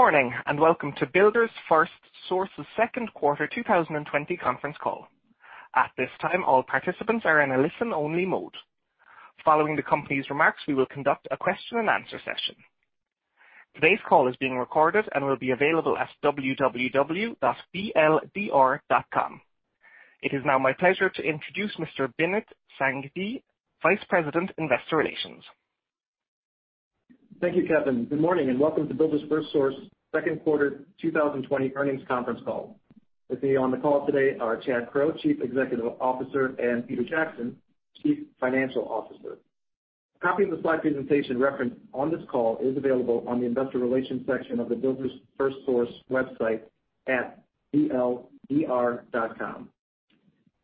Morning, and welcome to Builders FirstSource's second quarter 2020 conference call. At this time, all participants are in a listen-only mode. Following the company's remarks, we will conduct a question and answer session. Today's call is being recorded and will be available at www.bldr.com. It is now my pleasure to introduce Mr. Binit Sanghvi, Vice President, Investor Relations. Thank you, Kevin. Good morning, and welcome to Builders FirstSource second quarter 2020 earnings conference call. With me on the call today are Chad Crow, Chief Executive Officer, and Peter Jackson, Chief Financial Officer. A copy of the slide presentation referenced on this call is available on the investor relations section of the Builders FirstSource website at bldr.com.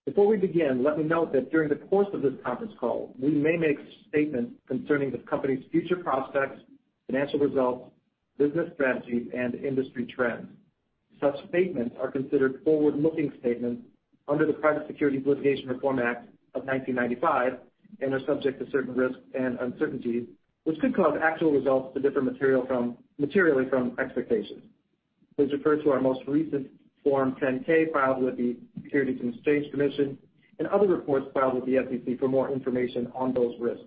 Before we begin, let me note that during the course of this conference call, we may make statements concerning the company's future prospects, financial results, business strategy, and industry trends. Such statements are considered forward-looking statements under the Private Securities Litigation Reform Act of 1995 and are subject to certain risks and uncertainties, which could cause actual results to differ materially from expectations. Please refer to our most recent Form 10-K filed with the Securities and Exchange Commission and other reports filed with the SEC for more information on those risks.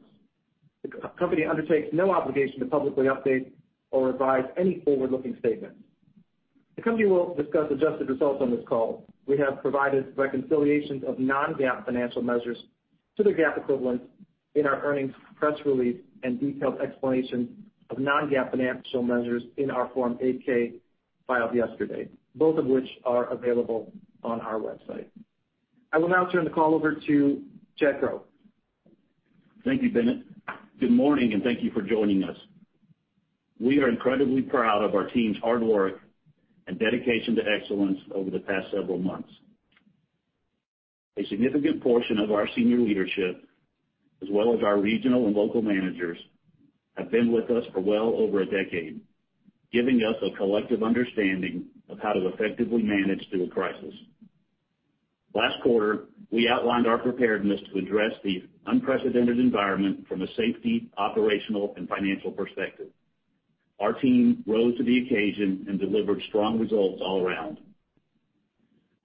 The company undertakes no obligation to publicly update or revise any forward-looking statements. The company will discuss adjusted results on this call. We have provided reconciliations of non-GAAP financial measures to the GAAP equivalent in our earnings press release and detailed explanation of non-GAAP financial measures in our Form 8-K filed yesterday, both of which are available on our website. I will now turn the call over to Chad Crow. Thank you, Binit. Good morning, thank you for joining us. We are incredibly proud of our team's hard work and dedication to excellence over the past several months. A significant portion of our senior leadership, as well as our regional and local managers, have been with us for well over a decade, giving us a collective understanding of how to effectively manage through a crisis. Last quarter, we outlined our preparedness to address the unprecedented environment from a safety, operational, and financial perspective. Our team rose to the occasion and delivered strong results all around.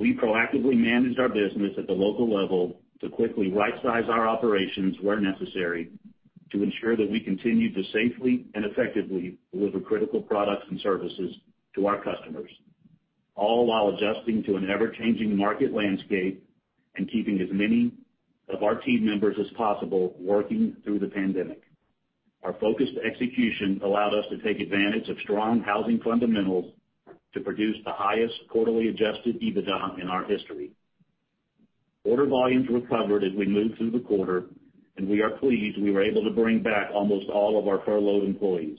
We proactively managed our business at the local level to quickly right-size our operations where necessary to ensure that we continued to safely and effectively deliver critical products and services to our customers, all while adjusting to an ever-changing market landscape and keeping as many of our team members as possible working through the pandemic. Our focused execution allowed us to take advantage of strong housing fundamentals to produce the highest quarterly adjusted EBITDA in our history. Order volumes recovered as we moved through the quarter, and we are pleased we were able to bring back almost all of our furloughed employees.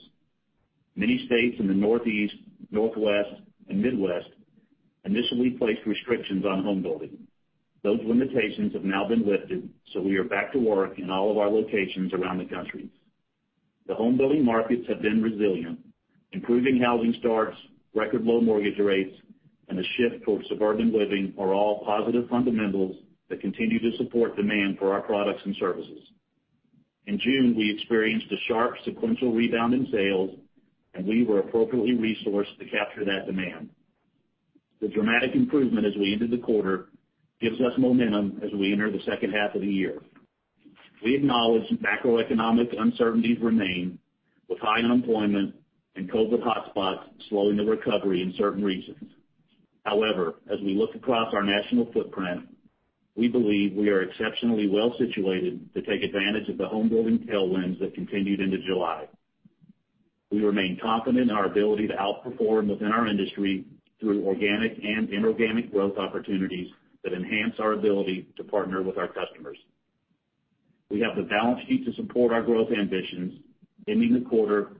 Many states in the Northeast, Northwest, and Midwest initially placed restrictions on home building. Those limitations have now been lifted, so we are back to work in all of our locations around the country. The home building markets have been resilient. Improving housing starts, record low mortgage rates, and a shift towards suburban living are all positive fundamentals that continue to support demand for our products and services. In June, we experienced a sharp sequential rebound in sales, and we were appropriately resourced to capture that demand. The dramatic improvement as we ended the quarter gives us momentum as we enter the second half of the year. We acknowledge macroeconomic uncertainties remain, with high unemployment and COVID hot spots slowing the recovery in certain regions. However, as we look across our national footprint, we believe we are exceptionally well-situated to take advantage of the home building tailwinds that continued into July. We remain confident in our ability to outperform within our industry through organic and inorganic growth opportunities that enhance our ability to partner with our customers. We have the balance sheet to support our growth ambitions, ending the quarter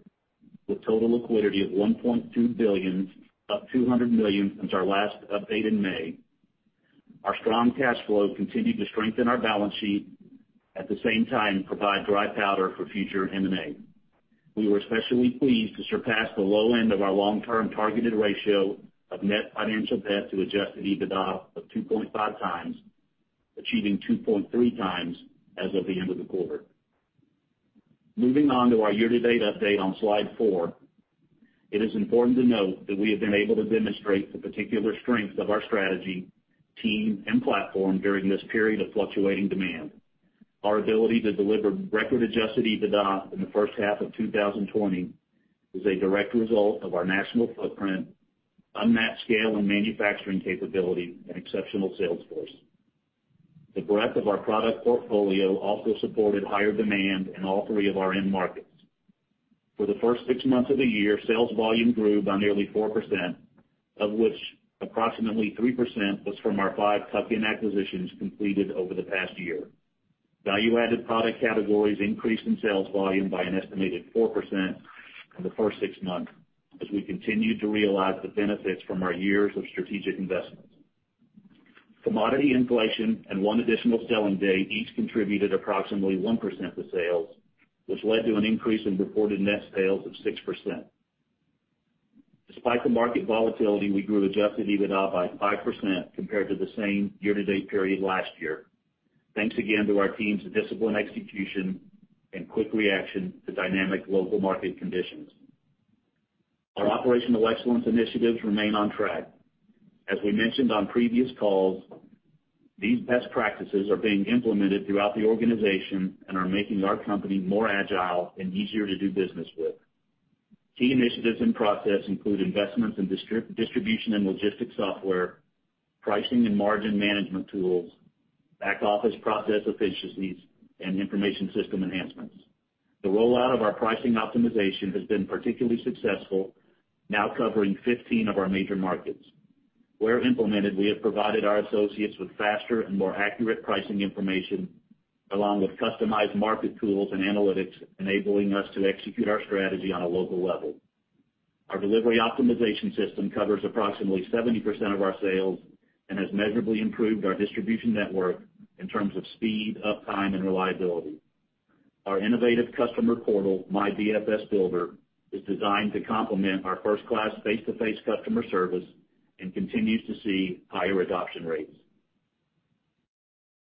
with total liquidity of $1.2 billion, up $200 million since our last update in May. Our strong cash flow continued to strengthen our balance sheet, at the same time provide dry powder for future M&A. We were especially pleased to surpass the low end of our long-term targeted ratio of net financial debt to adjusted EBITDA of 2.5x, achieving 2.3x as of the end of the quarter. Moving on to our year-to-date update on slide four. It is important to note that we have been able to demonstrate the particular strength of our strategy, team, and platform during this period of fluctuating demand. Our ability to deliver record adjusted EBITDA in the first half of 2020 is a direct result of our national footprint, unmatched scale and manufacturing capability, and exceptional sales force. The breadth of our product portfolio also supported higher demand in all three of our end markets. For the first six months of the year, sales volume grew by nearly 4%, of which approximately 3% was from our five tuck-in acquisitions completed over the past year. Value-added product categories increased in sales volume by an estimated 4% for the first six months, as we continued to realize the benefits from our years of strategic investments. Commodity inflation and one additional selling day each contributed approximately 1% to sales, which led to an increase in reported net sales of 6%. Despite the market volatility, we grew adjusted EBITDA by 5% compared to the same year-to-date period last year. Thanks again to our team's disciplined execution and quick reaction to dynamic local market conditions. Our operational excellence initiatives remain on track. As we mentioned on previous calls, these best practices are being implemented throughout the organization and are making our company more agile and easier to do business with. Key initiatives in process include investments in distribution and logistics software, pricing and margin management tools, back office process efficiencies, and information system enhancements. The rollout of our pricing optimization has been particularly successful, now covering 15 of our major markets. Where implemented, we have provided our associates with faster and more accurate pricing information, along with customized market tools and analytics, enabling us to execute our strategy on a local level. Our delivery optimization system covers approximately 70% of our sales and has measurably improved our distribution network in terms of speed, uptime, and reliability. Our innovative customer portal, MyBFSBuilder, is designed to complement our first-class face-to-face customer service and continues to see higher adoption rates.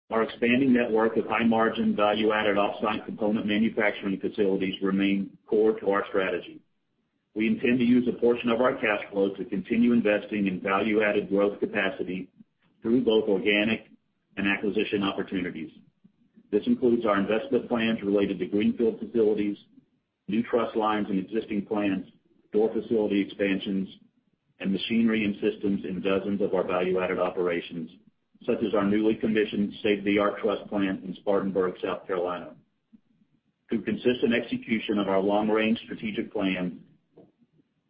Our expanding network of high-margin, value-added off-site component manufacturing facilities remain core to our strategy. We intend to use a portion of our cash flow to continue investing in value-added growth capacity through both organic and acquisition opportunities. This includes our investment plans related to greenfield facilities, new truss lines in existing plants, door facility expansions, and machinery and systems in dozens of our value-added operations, such as our newly commissioned state-of-the-art truss plant in Spartanburg, South Carolina. Through consistent execution of our long-range strategic plan,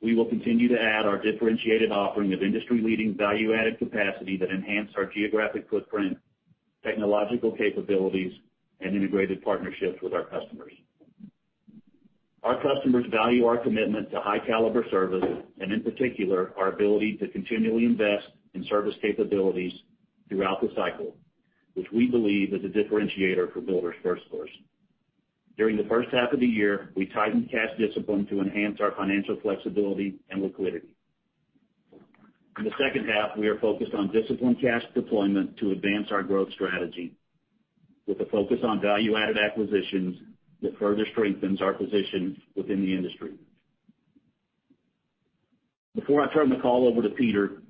we will continue to add our differentiated offering of industry-leading value-added capacity that enhance our geographic footprint, technological capabilities, and integrated partnerships with our customers. Our customers value our commitment to high-caliber service and, in particular, our ability to continually invest in service capabilities throughout the cycle, which we believe is a differentiator for Builders FirstSource. During the first half of the year, we tightened cash discipline to enhance our financial flexibility and liquidity. In the second half, we are focused on disciplined cash deployment to advance our growth strategy, with a focus on value-added acquisitions that further strengthens our position within the industry. Before I turn the call over to Peter,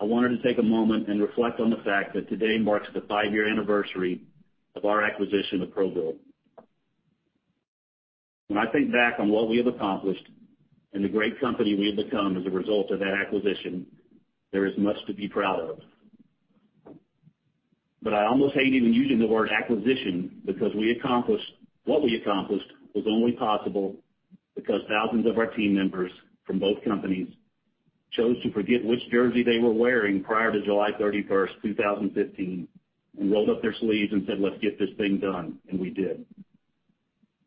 I wanted to take a moment and reflect on the fact that today marks the five-year anniversary of our acquisition of ProBuild. When I think back on what we have accomplished and the great company we have become as a result of that acquisition, there is much to be proud of. I almost hate even using the word acquisition because what we accomplished was only possible because thousands of our team members from both companies chose to forget which jersey they were wearing prior to July 31st, 2015, and rolled up their sleeves and said, "Let's get this thing done," and we did.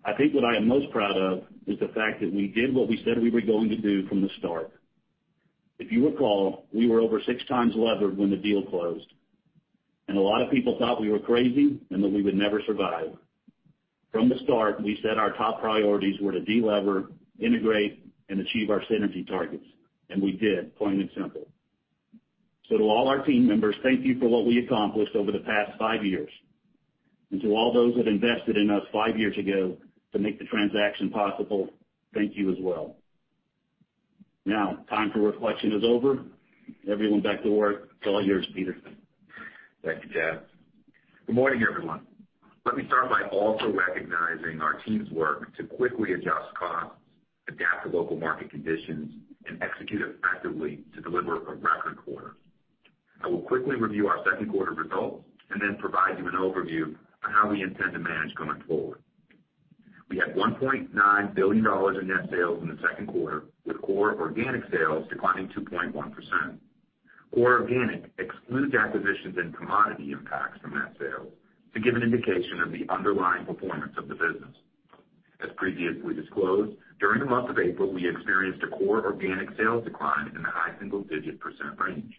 I think what I am most proud of is the fact that we did what we said we were going to do from the start. If you recall, we were over 6x levered when the deal closed, and a lot of people thought we were crazy and that we would never survive. From the start, we said our top priorities were to de-lever, integrate, and achieve our synergy targets, and we did, plain and simple. To all our team members, thank you for what we accomplished over the past five years. To all those that invested in us five years ago to make the transaction possible, thank you as well. Now, time for reflection is over. Everyone back to work. It's all yours, Peter. Thank you, Chad. Good morning, everyone. Let me start by also recognizing our team's work to quickly adjust costs, adapt to local market conditions, and execute effectively to deliver a record quarter. I will quickly review our second quarter results and then provide you an overview on how we intend to manage going forward. We had $1.9 billion in net sales in the second quarter, with core organic sales declining 2.1%. Core organic excludes acquisitions and commodity impacts from net sales to give an indication of the underlying performance of the business. As previously disclosed, during the month of April, we experienced a core organic sales decline in the high single-digit % range.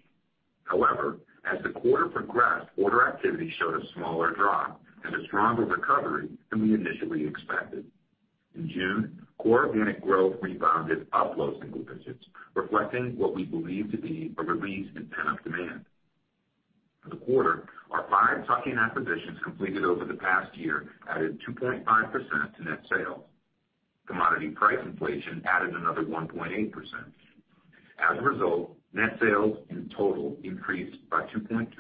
However, as the quarter progressed, order activity showed a smaller drop and a stronger recovery than we initially expected. In June, core organic growth rebounded up low single digits, reflecting what we believe to be a release in pent-up demand. For the quarter, our five tuck-in acquisitions completed over the past year added 2.5% to net sales. Commodity price inflation added another 1.8%. As a result, net sales in total increased by 2.2%.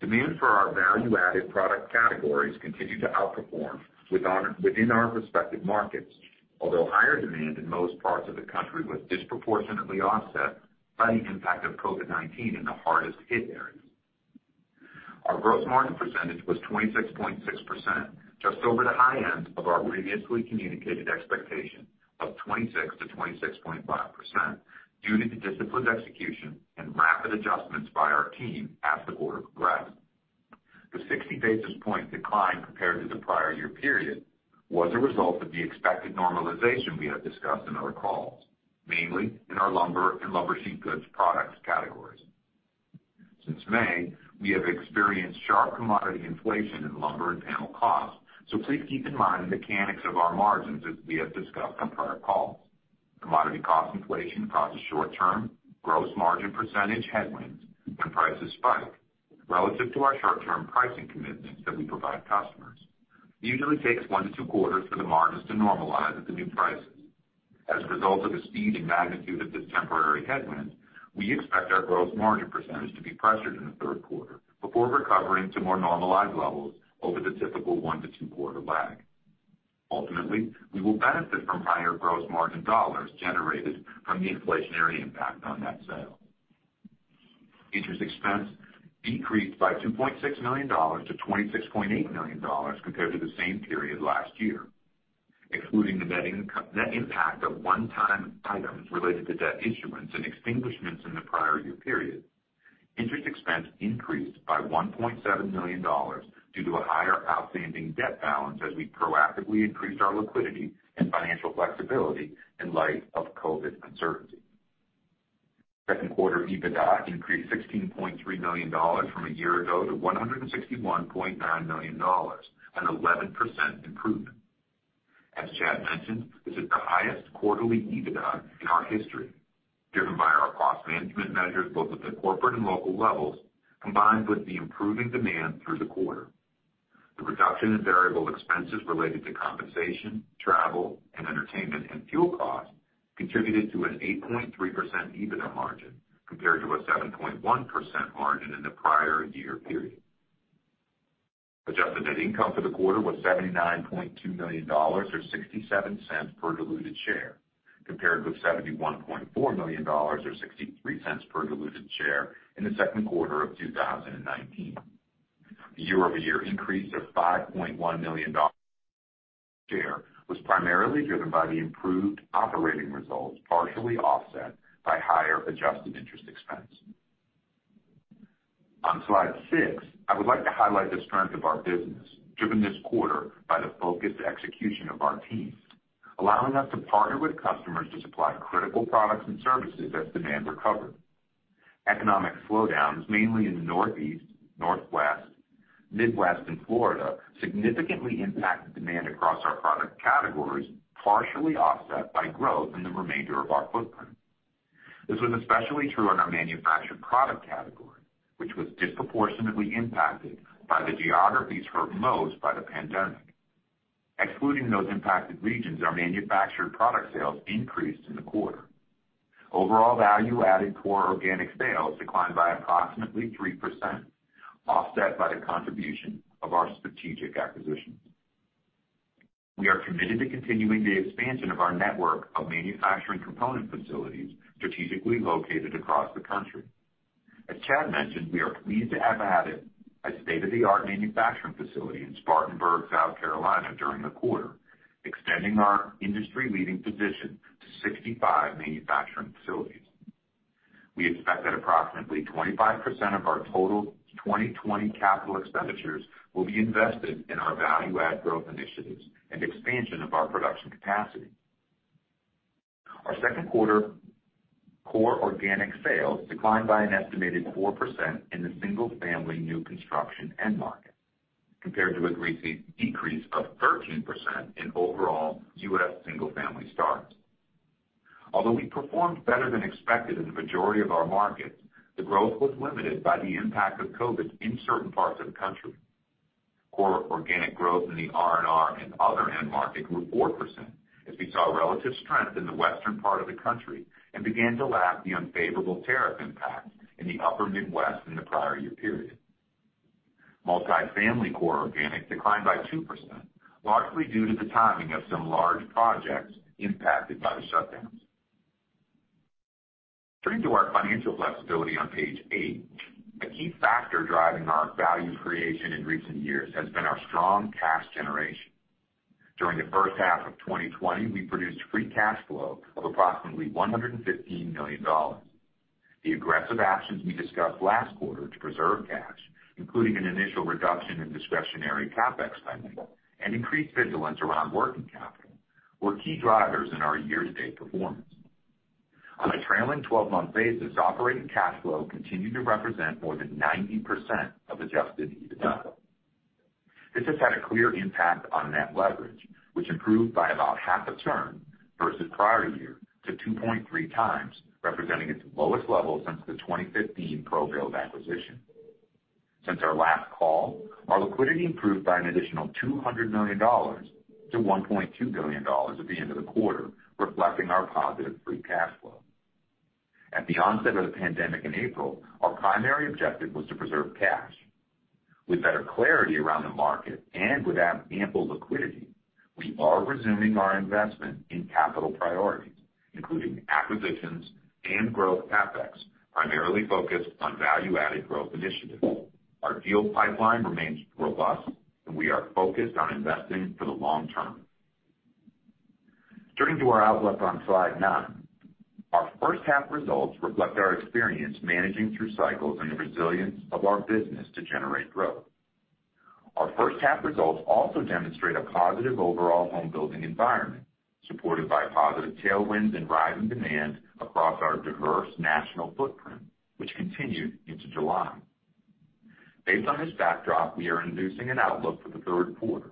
Demand for our value-added product categories continued to outperform within our respective markets, although higher demand in most parts of the country was disproportionately offset by the impact of COVID-19 in the hardest hit areas. Our gross margin percentage was 26.6%, just over the high end of our previously communicated expectation of 26%-26.5% due to disciplined execution and rapid adjustments by our team as the quarter progressed. The 60-basis point decline compared to the prior year period was a result of the expected normalization we have discussed in our calls, mainly in our lumber and lumber sheet goods products categories. Since May, we have experienced sharp commodity inflation in lumber and panel costs. Please keep in mind the mechanics of our margins as we have discussed on prior calls. Commodity cost inflation causes short-term gross margin percentage headwinds when prices spike relative to our short-term pricing commitments that we provide customers. It usually takes one to two quarters for the margins to normalize at the new prices. As a result of the speed and magnitude of this temporary headwind, we expect our gross margin percentage to be pressured in the third quarter before recovering to more normalized levels over the typical one to two-quarter lag. Ultimately, we will benefit from higher gross margin dollars generated from the inflationary impact on that sale. Interest expense decreased by $2.6 million-$26.8 million compared to the same period last year. Excluding the net impact of one-time items related to debt issuance and extinguishments in the prior year period, interest expense increased by $1.7 million due to a higher outstanding debt balance as we proactively increased our liquidity and financial flexibility in light of COVID uncertainty. Second quarter EBITDA increased $16.3 million from a year ago to $161.9 million, an 11% improvement. As Chad mentioned, this is the highest quarterly EBITDA in our history, driven by our cost management measures both at the corporate and local levels, combined with the improving demand through the quarter. The reduction in variable expenses related to compensation, travel, and entertainment and fuel costs contributed to an 8.3% EBITDA margin compared to a 7.1% margin in the prior year period. Adjusted net income for the quarter was $79.2 million, or $0.67 per diluted share, compared with $71.4 million or $0.63 per diluted share in the second quarter of 2019. The year-over-year increase of $5.1 million share was primarily driven by the improved operating results, partially offset by higher adjusted interest expense. On slide six, I would like to highlight the strength of our business, driven this quarter by the focused execution of our teams, allowing us to partner with customers to supply critical products and services as demand recovered. Economic slowdowns, mainly in the Northeast, Northwest, Midwest, and Florida, significantly impacted demand across our product categories, partially offset by growth in the remainder of our footprint. This was especially true in our manufactured product category, which was disproportionately impacted by the geographies hurt most by the pandemic. Excluding those impacted regions, our manufactured product sales increased in the quarter. Overall value-added core organic sales declined by approximately 3%, offset by the contribution of our strategic acquisitions. We are committed to continuing the expansion of our network of manufacturing component facilities strategically located across the country. As Chad mentioned, we are pleased to have added a state-of-the-art manufacturing facility in Spartanburg, South Carolina during the quarter, extending our industry-leading position to 65 manufacturing facilities. We expect that approximately 25% of our total 2020 capital expenditures will be invested in our value-add growth initiatives and expansion of our production capacity. Our second quarter core organic sales declined by an estimated 4% in the single-family new construction end market, compared to a decrease of 13% in overall U.S. single family starts. Although we performed better than expected in the majority of our markets, the growth was limited by the impact of COVID in certain parts of the country. Core organic growth in the R&R and other end markets grew 4% as we saw relative strength in the western part of the country and began to lap the unfavorable tariff impact in the upper Midwest in the prior year period. Multifamily core organic declined by 2%, largely due to the timing of some large projects impacted by the shutdowns. Turning to our financial flexibility on page eight. A key factor driving our value creation in recent years has been our strong cash generation. During the first half of 2020, we produced free cash flow of approximately $115 million. The aggressive actions we discussed last quarter to preserve cash, including an initial reduction in discretionary CapEx spending and increased vigilance around working capital, were key drivers in our year-to-date performance. On a trailing 12-month basis, operating cash flow continued to represent more than 90% of adjusted EBITDA. This has had a clear impact on net leverage, which improved by about half a turn versus prior year to 2.3x, representing its lowest level since the 2015 ProBuild acquisition. Since our last call, our liquidity improved by an additional $200 million-$1.2 billion at the end of the quarter, reflecting our positive free cash flow. At the onset of the pandemic in April, our primary objective was to preserve cash. With better clarity around the market and with ample liquidity, we are resuming our investment in capital priorities, including acquisitions and growth CapEx, primarily focused on value-added growth initiatives. Our deal pipeline remains robust, and we are focused on investing for the long term. Turning to our outlook on slide nine. Our first half results reflect our experience managing through cycles and the resilience of our business to generate growth. Our first half results also demonstrate a positive overall home building environment, supported by positive tailwinds and rising demand across our diverse national footprint, which continued into July. Based on this backdrop, we are introducing an outlook for the third quarter.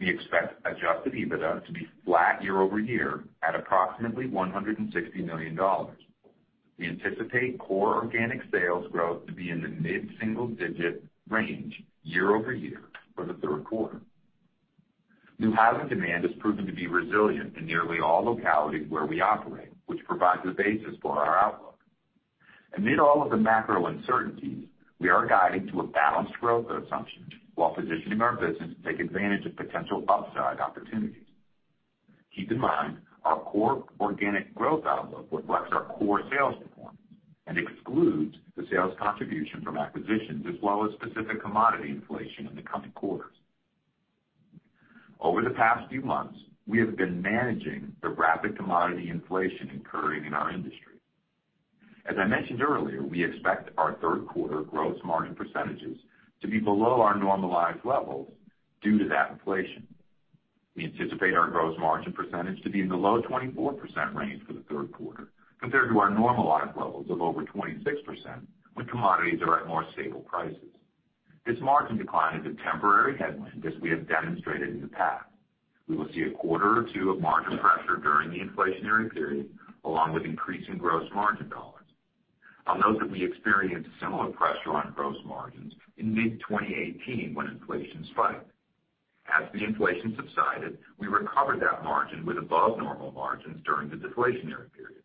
We expect adjusted EBITDA to be flat year-over-year at approximately $160 million. We anticipate core organic sales growth to be in the mid-single digit range year-over-year for the third quarter. New housing demand has proven to be resilient in nearly all localities where we operate, which provides the basis for our outlook. Amid all of the macro uncertainties, we are guiding to a balanced growth assumption while positioning our business to take advantage of potential upside opportunities. Keep in mind, our core organic growth outlook reflects our core sales performance and excludes the sales contribution from acquisitions, as well as specific commodity inflation in the coming quarters. Over the past few months, we have been managing the rapid commodity inflation occurring in our industry. As I mentioned earlier, we expect our third quarter gross margin percentages to be below our normalized levels due to that inflation. We anticipate our gross margin percentage to be in the low 24% range for the third quarter, compared to our normalized levels of over 26% when commodities are at more stable prices. This margin decline is a temporary headwind, as we have demonstrated in the past. We will see a quarter or two of margin pressure during the inflationary period, along with increasing gross margin dollars. I'll note that we experienced similar pressure on gross margins in mid-2018 when inflation spiked. As the inflation subsided, we recovered that margin with above-normal margins during the deflationary period.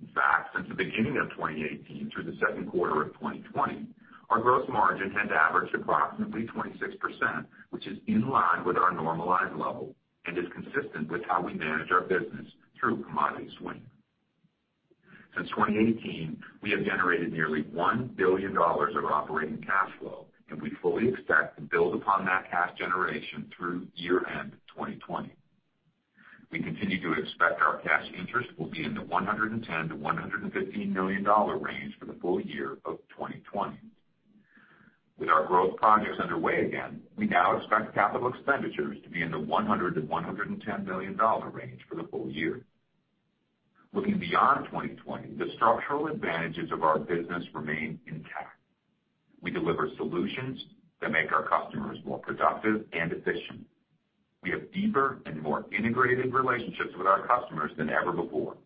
In fact, since the beginning of 2018 through the second quarter of 2020, our gross margin has averaged approximately 26%, which is in line with our normalized level and is consistent with how we manage our business through commodity swings. Since 2018, we have generated nearly $1 billion of operating cash flow, and we fully expect to build upon that cash generation through year-end 2020. We continue to expect our cash interest will be in the $110 million-$115 million range for the full year of 2020. With our growth projects underway again, we now expect capital expenditures to be in the $100 million-$110 million range for the full year. Looking beyond 2020, the structural advantages of our business remain intact. We deliver solutions that make our customers more productive and efficient. We have deeper and more integrated relationships with our customers than ever before.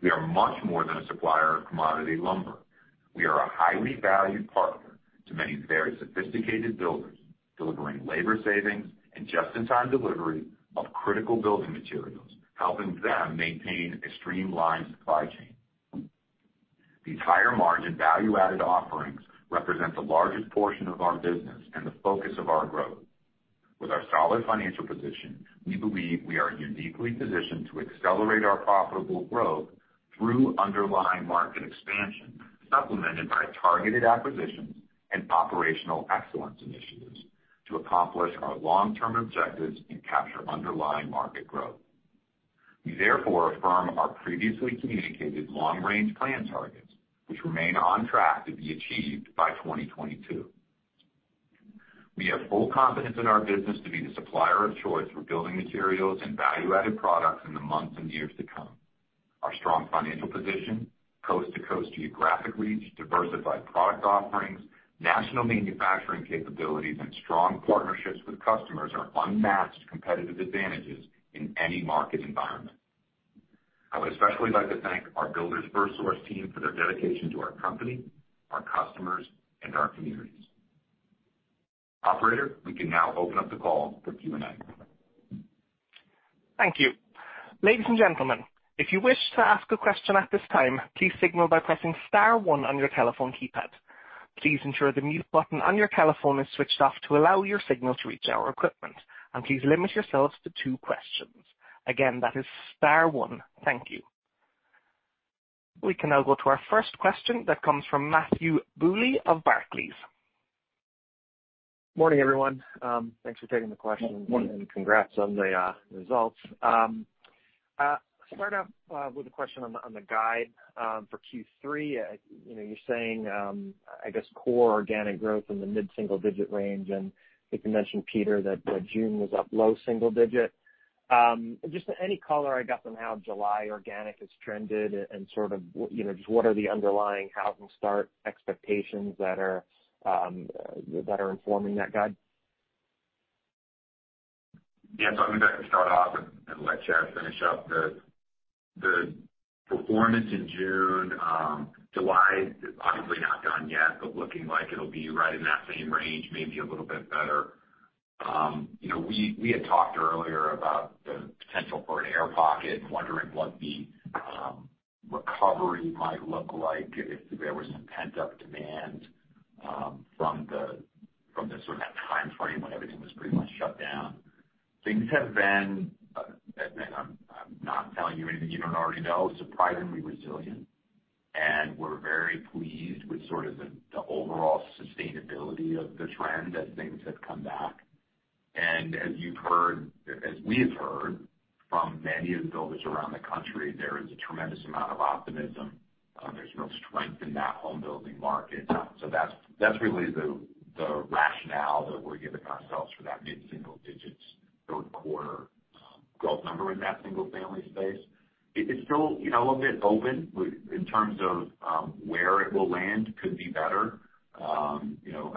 We are much more than a supplier of commodity lumber. We are a highly valued partner to many very sophisticated builders, delivering labor savings and just-in-time delivery of critical building materials, helping them maintain a streamlined supply chain. These higher-margin, value-added offerings represent the largest portion of our business and the focus of our growth. With our solid financial position, we believe we are uniquely positioned to accelerate our profitable growth through underlying market expansion, supplemented by targeted acquisitions and operational excellence initiatives to accomplish our long-term objectives and capture underlying market growth. We therefore affirm our previously communicated long-range plan targets, which remain on track to be achieved by 2022. We have full confidence in our business to be the supplier of choice for building materials and value-added products in the months and years to come. Our strong financial position, coast-to-coast geographic reach, diversified product offerings, national manufacturing capabilities, and strong partnerships with customers are unmatched competitive advantages in any market environment. I would especially like to thank our Builders FirstSource team for their dedication to our company, our customers, and our communities. Operator, we can now open up the call for Q&A. Thank you. Ladies and gentlemen, if you wish to ask a question at this time, please signal by pressing star one on your telephone keypad. Please ensure the mute button on your telephone is switched off to allow your signal to reach our equipment, and please limit yourselves to two questions. Again, that is star one. Thank you. We can now go to our first question, that comes from Matthew Bouley of Barclays. Morning, everyone. Thanks for taking the question. Morning. Congrats on the results. Start out with a question on the guide for Q3. You're saying, I guess, core organic growth in the mid-single digit range, and I think you mentioned, Peter, that June was up low single digits. Any color I got on how July organic has trended and just what are the underlying housing start expectations that are informing that guide? Yeah. I'm going to start off and let Chad finish up the performance in June. July is obviously not done yet, looking like it'll be right in that same range, maybe a little bit better. We had talked earlier about the potential for an air pocket wondering what the recovery might look like if there was some pent-up demand from the sort of that timeframe when everything was pretty much shut down. Things have been, I'm not telling you anything you don't already know, surprisingly resilient, we're very pleased with sort of the overall sustainability of the trend as things have come back. As we have heard from many of the builders around the country, there is a tremendous amount of optimism. There's real strength in that home building market. That's really the rationale that we're giving ourselves for that mid-single digits third quarter growth number in that single-family space. It's still a little bit open in terms of where it will land. Could be better.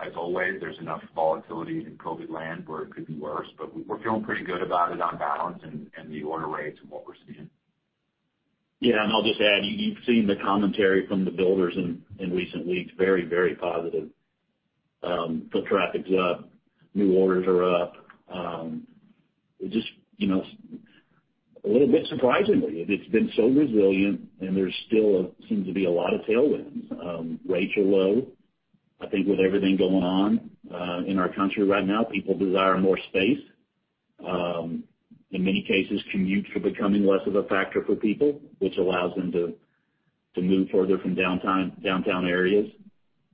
As always, there's enough volatility in COVID land where it could be worse, but we're feeling pretty good about it on balance and the order rates and what we're seeing. Yeah, I'll just add, you've seen the commentary from the builders in recent weeks, very, very positive. Foot traffic's up, new orders are up. A little bit surprisingly, it's been so resilient and there still seems to be a lot of tailwinds. Rates are low. I think with everything going on in our country right now, people desire more space. In many cases, commutes are becoming less of a factor for people, which allows them to move further from downtown areas.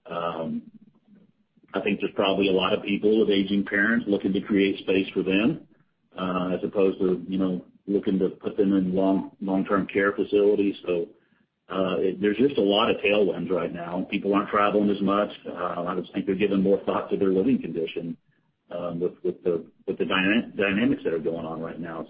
I think there's probably a lot of people with aging parents looking to create space for them, as opposed to looking to put them in long-term care facilities. There's just a lot of tailwinds right now. People aren't traveling as much. I just think they're giving more thought to their living condition with the dynamics that are going on right now.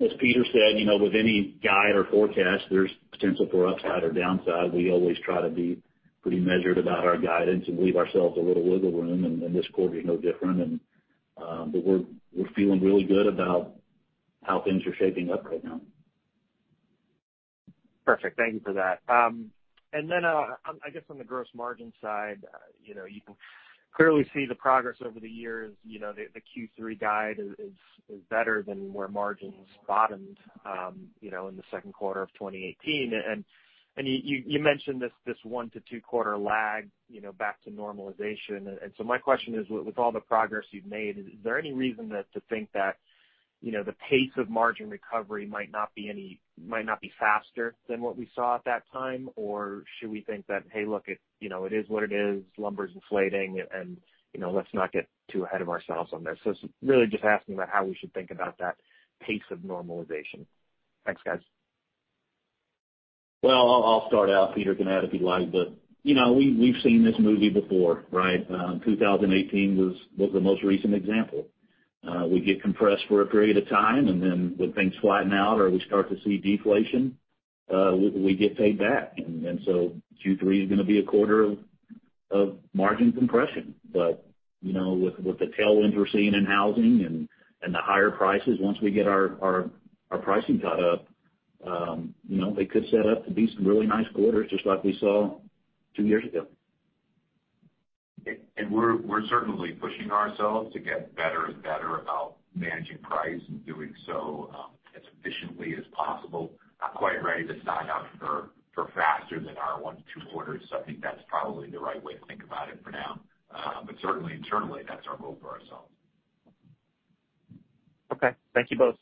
As Peter said, with any guide or forecast, there's potential for upside or downside. We always try to be pretty measured about our guidance and leave ourselves a little wiggle room, and this quarter is no different. We're feeling really good about how things are shaping up right now. Perfect. Thank you for that. Then, I guess on the gross margin side, you can clearly see the progress over the years. The Q3 guide is better than where margins bottomed in the second quarter of 2018. You mentioned this one to two-quarter lag back to normalization. My question is, with all the progress you've made, is there any reason to think that the pace of margin recovery might not be faster than what we saw at that time? Should we think that, hey, look, it is what it is, lumber's inflating, and let's not get too ahead of ourselves on this? It's really just asking about how we should think about that pace of normalization. Thanks, guys. Well, I'll start out. Peter can add if you'd like. We've seen this movie before, right? 2018 was the most recent example. We get compressed for a period of time, and then when things flatten out or we start to see deflation, we get paid back. Q3 is going to be a quarter of margin compression. With the tailwinds we're seeing in housing and the higher prices, once we get our pricing caught up, they could set up to be some really nice quarters, just like we saw two years ago. We're certainly pushing ourselves to get better and better about managing price and doing so as efficiently as possible. Not quite ready to sign up for faster than our one to two quarters. I think that's probably the right way to think about it for now. Certainly internally, that's our goal for ourselves. Okay. Thank you both.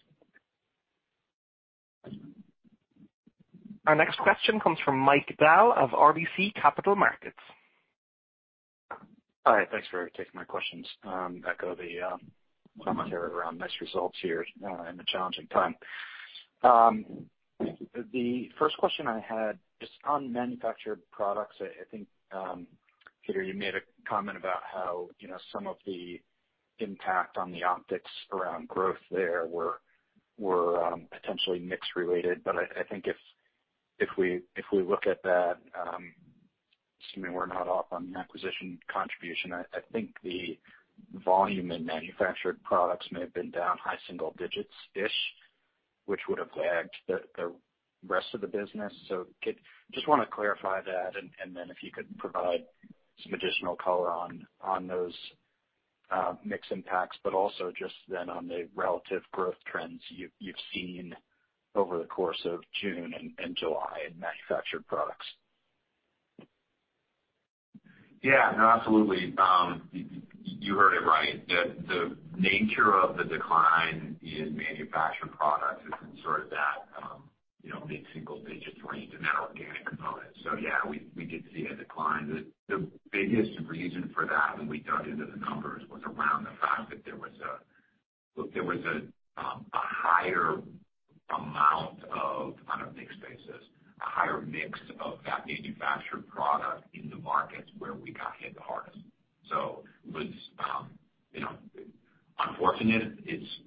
Our next question comes from Mike Dahl of RBC Capital Markets. Hi. Thanks for taking my questions. Echo the commentary around nice results here in a challenging time. The first question I had is on manufactured products. I think, Peter, you made a comment about how some of the impact on the optics around growth there were potentially mix related. I think if we look at that, assuming we're not off on the acquisition contribution, I think the volume in manufactured products may have been down high single digits-ish, which would have lagged the rest of the business. Just want to clarify that, and then if you could provide some additional color on those mix impacts, but also just then on the relative growth trends you've seen over the course of June and July in manufactured products. Yeah, no, absolutely. You heard it right. The nature of the decline in manufactured products is in sort of that mid-single digit range in that organic component. Yeah, we did see a decline. The biggest reason for that when we dug into the numbers was around the fact that there was a higher amount of, on a mix basis, a higher mix of that manufactured product in the markets where we got hit the hardest. It was unfortunate.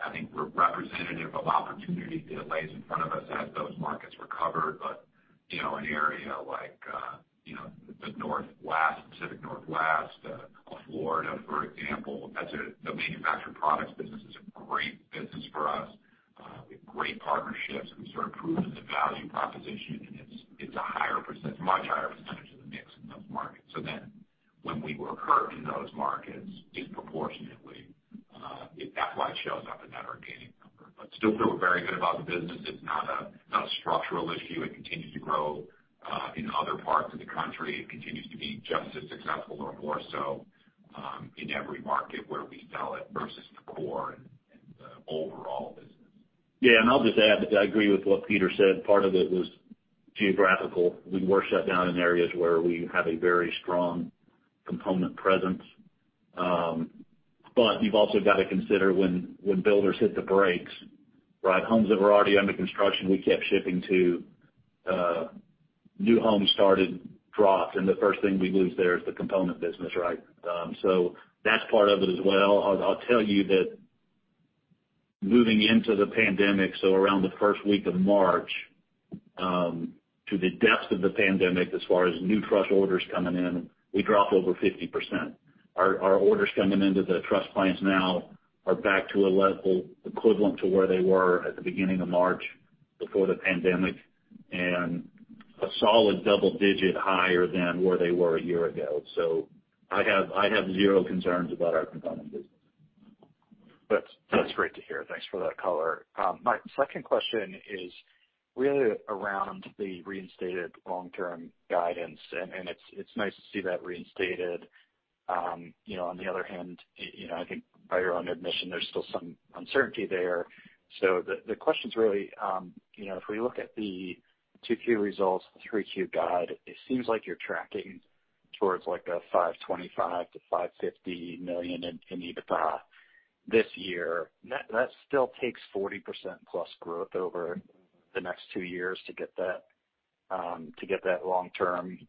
I think we're representative of opportunity that lays in front of us as those markets recover. An area like the Pacific Northwest, Florida, for example, the manufactured products business is a great business for us with great partnerships. We sort of proven the value proposition, and it's a much higher percentage of the mix in those markets. When we were hurt in those markets, disproportionately, that's why it shows up in that organic number. Still feel very good about the business. It's not a structural issue. It continues to grow in other parts of the country. It continues to be just as successful or more so in every market where we sell it versus the core and the overall business. I'll just add, I agree with what Peter said. Part of it was geographical. We were shut down in areas where we have a very strong component presence. You've also got to consider when builders hit the brakes, homes that were already under construction, we kept shipping to. New home started drop, and the first thing we lose there is the component business, right? That's part of it as well. I'll tell you that moving into the pandemic, so around the first week of March, to the depths of the pandemic, as far as new truss orders coming in, we dropped over 50%. Our orders coming into the truss plants now are back to a level equivalent to where they were at the beginning of March before the pandemic, and a solid double-digit higher than where they were a year ago. I have zero concerns about our component business. That's great to hear. Thanks for that color. My second question is really around the reinstated long-term guidance, and it's nice to see that reinstated. On the other hand, I think by your own admission, there's still some uncertainty there. The question's really, if we look at the 2Q results, 3Q guide, it seems like you're tracking towards like a $525 million-$550 million in EBITDA this year. That still takes 40% plus growth over the next two years to get that long-term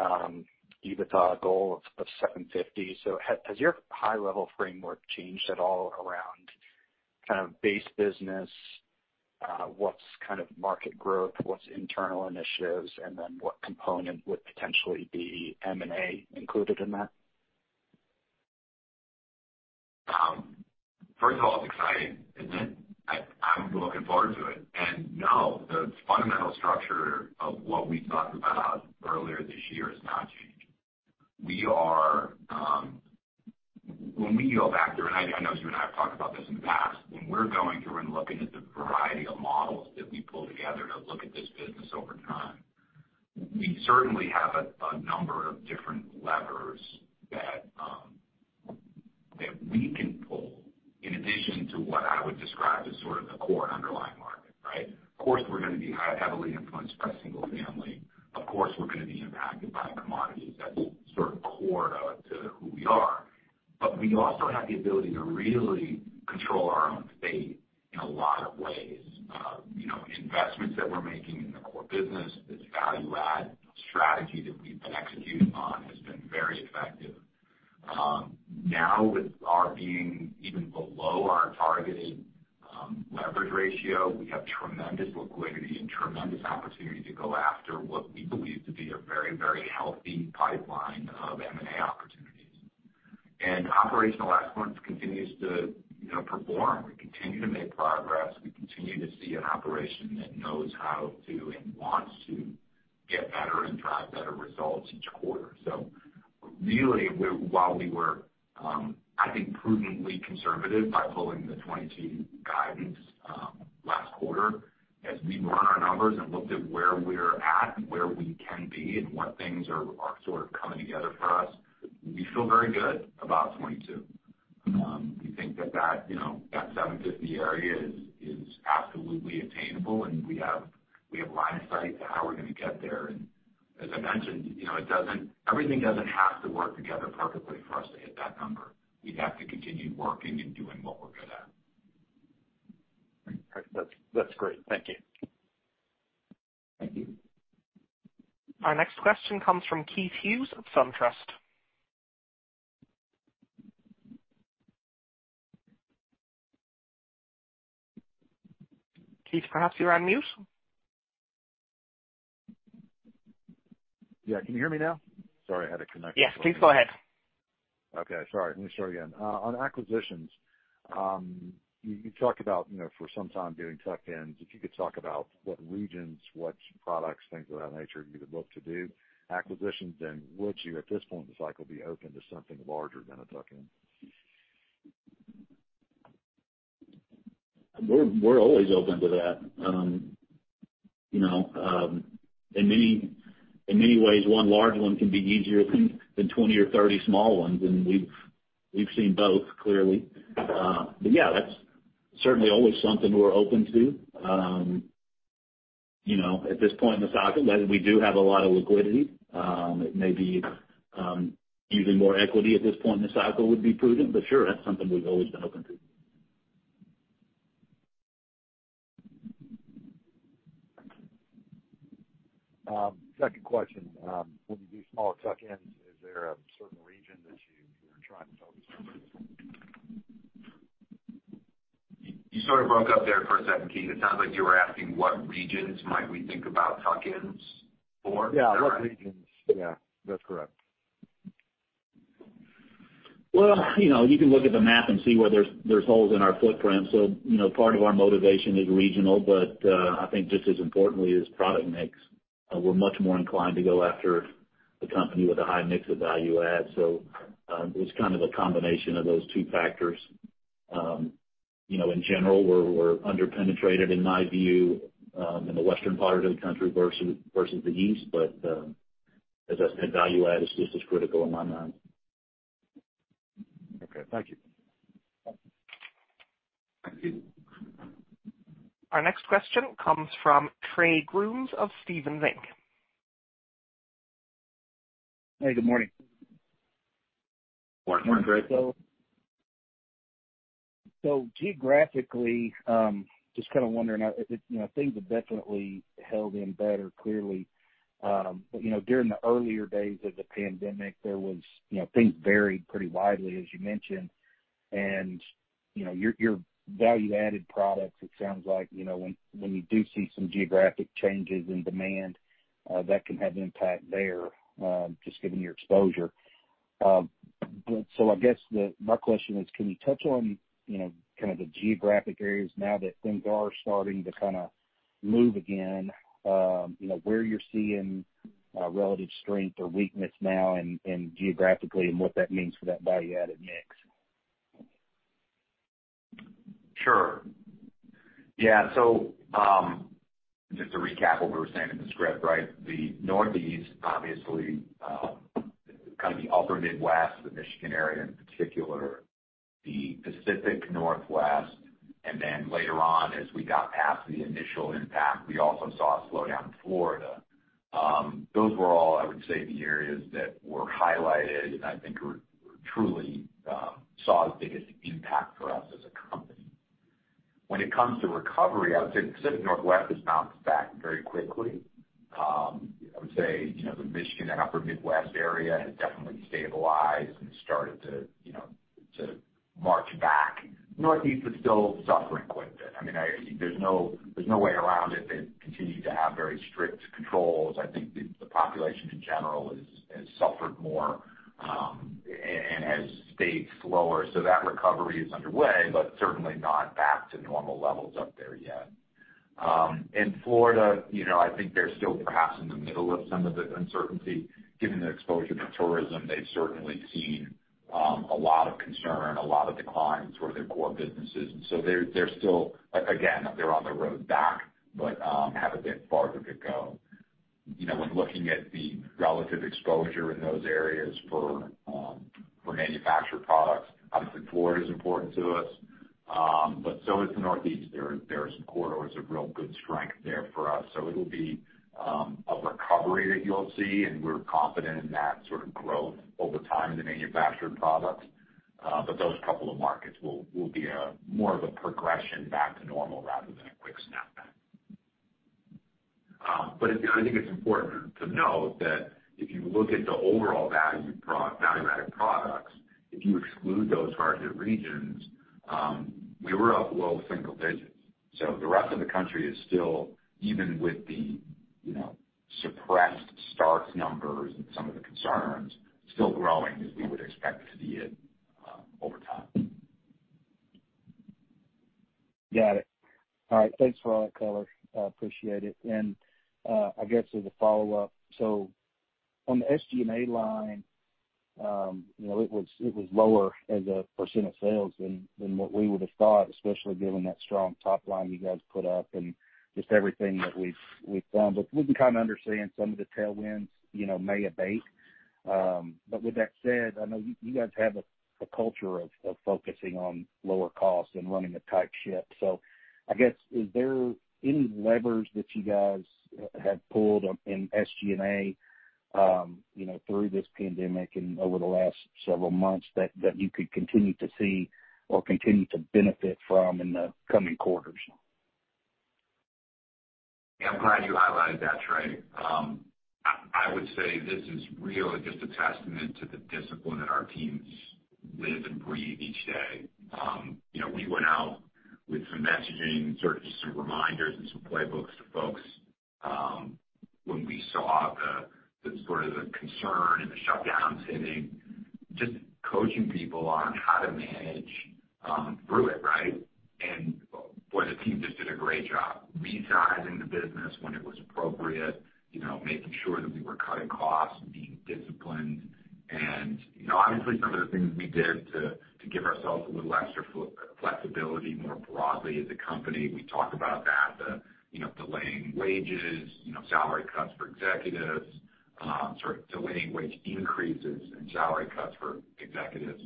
EBITDA goal of $750 million. Has your high level framework changed at all around kind of base business? What's kind of market growth? What's internal initiatives? What component would potentially be M&A included in that? First of all, it's exciting, isn't it? I'm looking forward to it. No, the fundamental structure of what we talked about earlier this year has not changed. When we go back there, and I know you and I have talked about this in the past, when we're going through and looking at the variety of models that we pull together to look at this business over time, we certainly have a number of different levers that we can pull in addition to what I would describe as sort of the core underlying market, right? Of course, we're going to be heavily influenced by single family. Of course, we're going to be impacted by commodities. That's sort of core to who we are. We also have the ability to really control our own fate in a lot of ways. Investments that we're making in the core business, this value add strategy that we've been executing on has been very effective. With our being even below our targeted leverage ratio, we have tremendous liquidity and tremendous opportunity to go after what we believe to be a very healthy pipeline of M&A opportunities. Operational excellence continues to perform. We continue to make progress. We continue to see an operation that knows how to, and wants to get better and drive better results each quarter. Really, while we were, I think, prudently conservative by pulling the 2022 guidance last quarter, as we run our numbers and looked at where we're at and where we can be and what things are sort of coming together for us, we feel very good about 2022. We think that that 750 area is absolutely attainable. We have line of sight to how we're going to get there. As I mentioned, everything doesn't have to work together perfectly for us to hit that number. We have to continue working and doing what we're good at. That's great. Thank you. Thank you. Our next question comes from Keith Hughes of SunTrust. Keith, perhaps you're on mute? Yeah. Can you hear me now? Sorry, I had a connection- Yes, please go ahead. Okay, sorry. Let me start again. On acquisitions, you talked about for some time doing tuck-ins. If you could talk about what regions, what products, things of that nature you would look to do acquisitions in. Would you, at this point in the cycle, be open to something larger than a tuck-in? We're always open to that. In many ways, one large one can be easier than 20 or 30 small ones. We've seen both, clearly. Yeah, that's certainly always something we're open to. At this point in the cycle, we do have a lot of liquidity. It may be using more equity at this point in the cycle would be prudent, but sure, that's something we've always been open to. Second question. When you do smaller tuck-ins, is there a certain region that you are trying to focus on? You sort of broke up there for a second, Keith. It sounds like you were asking what regions might we think about tuck-ins for? Yeah, what regions? Yeah, that's correct. Well, you can look at the map and see where there's holes in our footprint. Part of our motivation is regional, but I think just as importantly is product mix. We're much more inclined to go after the company with a high mix of value add. It's kind of a combination of those two factors. In general, we're under-penetrated in my view, in the western part of the country versus the east. As I said, value add is just as critical in my mind. Okay, thank you. Thank you. Our next question comes from Trey Grooms of Stephens Inc. Hey, good morning. Morning, Trey. Geographically, just kind of wondering, things have definitely held in better clearly. During the earlier days of the pandemic, things varied pretty widely, as you mentioned. Your value-added products, it sounds like when you do see some geographic changes in demand, that can have impact there, just given your exposure. I guess my question is, can you touch on the geographic areas now that things are starting to move again, where you're seeing relative strength or weakness now geographically and what that means for that value-added mix? Sure. Yeah. Just to recap what we were saying in the script, right? The Northeast, obviously, kind of the upper Midwest, the Michigan area in particular, the Pacific Northwest, and then later on, as we got past the initial impact, we also saw a slowdown in Florida. Those were all, I would say, the areas that were highlighted, and I think were truly saw the biggest impact for us as a company. When it comes to recovery, I would say the Pacific Northwest has bounced back very quickly. I would say, the Michigan and upper Midwest area has definitely stabilized and started to march back. Northeast is still suffering quite a bit. There's no way around it. They continue to have very strict controls. I think the population, in general, has suffered more, and has stayed slower. That recovery is underway, but certainly not back to normal levels up there yet. In Florida, I think they're still perhaps in the middle of some of the uncertainty. Given their exposure to tourism, they've certainly seen a lot of concern, a lot of declines for their core businesses. They're still, again, they're on the road back, but have a bit farther to go. When looking at the relative exposure in those areas for manufactured products, obviously, Florida is important to us, but so is the Northeast. There are some corridors of real good strength there for us. It'll be a recovery that you'll see, and we're confident in that sort of growth over time in the manufactured products. Those couple of markets will be more of a progression back to normal rather than a quick snap back. I think it's important to note that if you look at the overall value-added products, if you exclude those targeted regions, we were up low single digits. The rest of the country is still, even with the suppressed start numbers and some of the concerns, still growing as we would expect to see it over time. Got it. All right. Thanks for all that color. I appreciate it. I guess as a follow-up, on the SG&A line, it was lower as a % of sales than what we would have thought, especially given that strong top line you guys put up and just everything that we've done. We can kind of understand some of the tailwinds may abate. With that said, I know you guys have a culture of focusing on lower costs and running a tight ship. I guess, is there any levers that you guys have pulled in SG&A through this pandemic and over the last several months that you could continue to see or continue to benefit from in the coming quarters? I'm glad you highlighted that, Trey. I would say this is really just a testament to the discipline that our teams live and breathe each day. We went out with some messaging, sort of just some reminders and some playbooks to folks when we saw the sort of the concern and the shutdowns hitting, just coaching people on how to manage through it, right? Boy, the team just did a great job. Resizing the business when it was appropriate, making sure that we were cutting costs and being disciplined. Obviously, some of the things we did to give ourselves a little extra flexibility more broadly as a company, we talk about that, the delaying wages, salary cuts for executives, sorry, delaying wage increases and salary cuts for executives.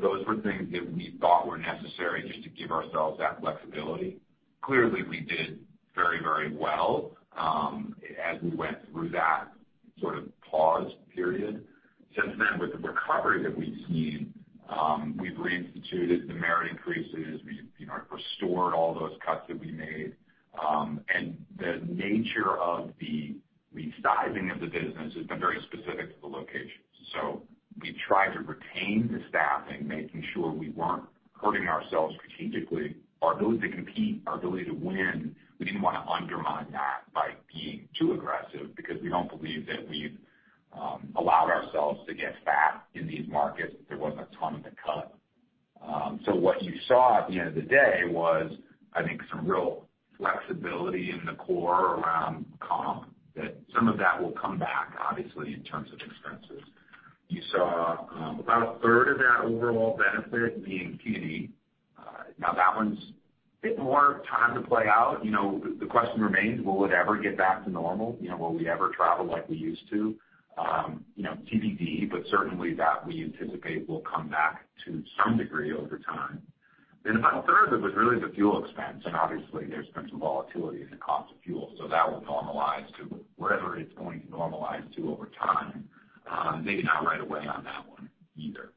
Those were things that we thought were necessary just to give ourselves that flexibility. Clearly, we did very well as we went through that sort of pause period. Since then, with the recovery that we've seen, we've reinstituted the merit increases. We've restored all those cuts that we made. The nature of the resizing of the business has been very specific to the locations. We tried to retain the staffing, making sure we weren't hurting ourselves strategically. Our ability to compete, our ability to win, we didn't want to undermine that by being too aggressive because we don't believe that we've allowed ourselves to get fat in these markets. There wasn't a ton to cut. What you saw at the end of the day was, I think, some real flexibility in the core around comp, that some of that will come back, obviously, in terms of expenses. You saw about a third of that overall benefit being T&E. That one's a bit more time to play out. The question remains, will it ever get back to normal? Will we ever travel like we used to? TBD, certainly that we anticipate will come back to some degree over time. About a third of it was really the fuel expense, obviously there's been some volatility in the cost of fuel. That will normalize to wherever it's going to normalize to over time. Maybe not right away on that one either.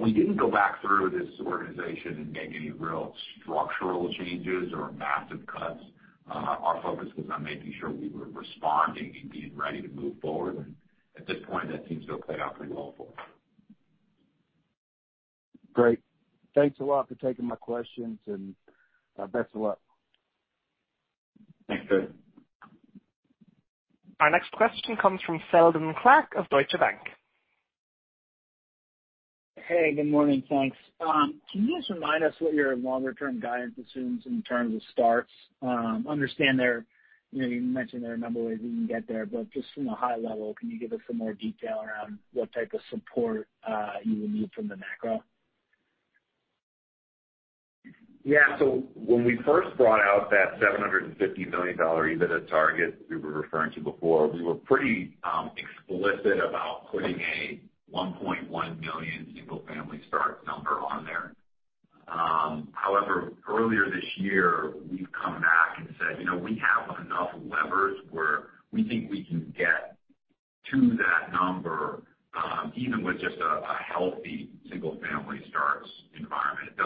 We didn't go back through this organization and make any real structural changes or massive cuts. Our focus was on making sure we were responding and being ready to move forward. At this point, that seems to have played out pretty well for us. Great. Thanks a lot for taking my questions. Best of luck. Thanks, Kurt. Our next question comes from Seldon Clarke of Deutsche Bank. Hey, good morning. Thanks. Can you just remind us what your longer-term guidance assumes in terms of starts? Understand you mentioned there are a number of ways we can get there, but just from a high level, can you give us some more detail around what type of support you will need from the macro? When we first brought out that $750 million EBITDA target we were referring to before, we were pretty explicit about putting a 1.1 million single-family starts number on there. However, earlier this year, we've come back and said, we have enough levers where we think we can get to that number, even with just a healthy single-family starts environment. It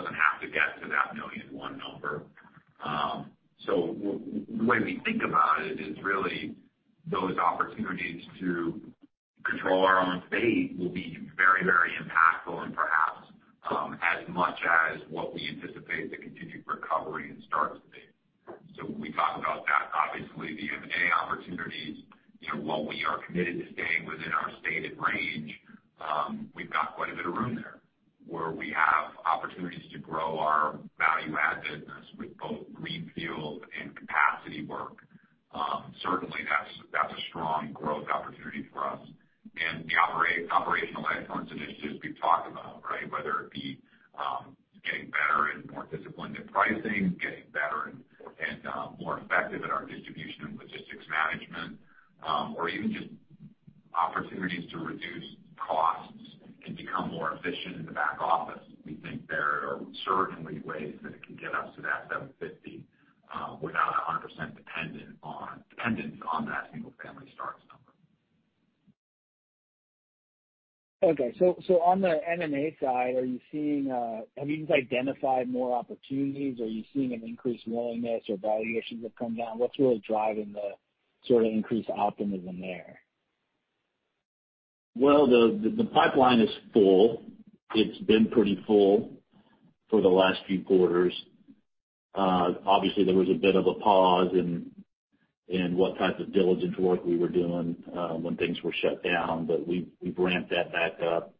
what types of diligence work we were doing when things were shut down, but we've ramped that back up.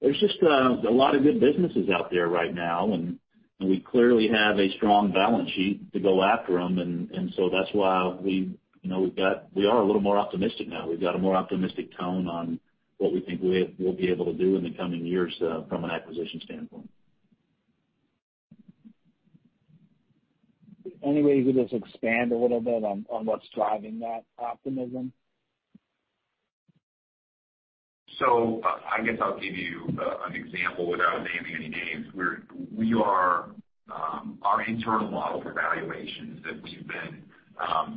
There's just a lot of good businesses out there right now, and we clearly have a strong balance sheet to go after them. That's why we are a little more optimistic now. We've got a more optimistic tone on what we think we'll be able to do in the coming years from an acquisition standpoint. Any way you could just expand a little bit on what's driving that optimism? I guess I'll give you an example without naming any names. Our internal model for valuations that we've been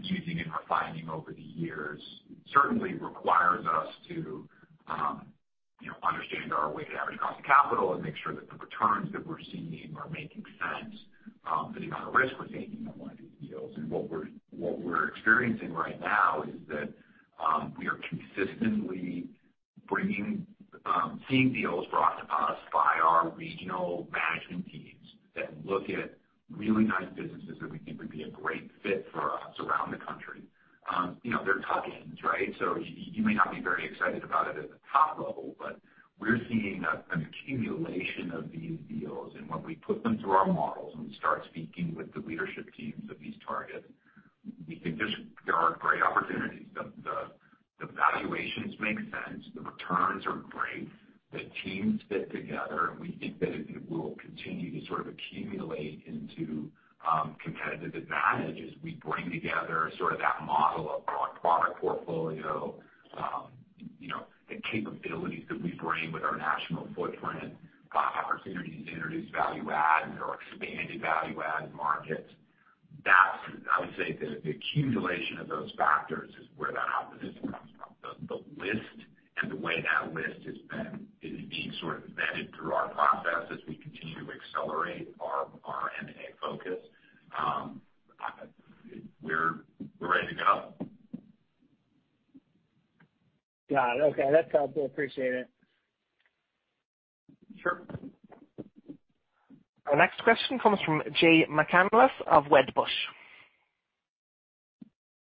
using and refining over the years certainly requires us to understand our weighted average cost of capital and make sure that the returns that we're seeing are making sense for the amount of risk we're taking on one of these deals. What we're experiencing right now is that we are consistently seeing deals brought to us by our regional management teams that look at really nice businesses that we think would be a great fit for us around the country. They're tuck-ins, right? You may not be very excited about it at the top level, but we're seeing an accumulation of these deals. When we put them through our models and we start speaking with the leadership teams of these targets, we think there are great opportunities. The valuations make sense, the returns are great. The teams fit together, and we think that it will continue to sort of accumulate into competitive advantage as we bring together sort of that model of our product portfolio. The capabilities that we bring with our national footprint, opportunities to introduce value-add or expanded value-add in markets. That, I would say, the accumulation of those factors is where that optimism comes from. The list and the way that list is being sort of vetted through our process as we continue to accelerate our M&A focus. We're ready to go. Got it. Okay. That's helpful. Appreciate it. Sure. Our next question comes from Jay McCanless of Wedbush.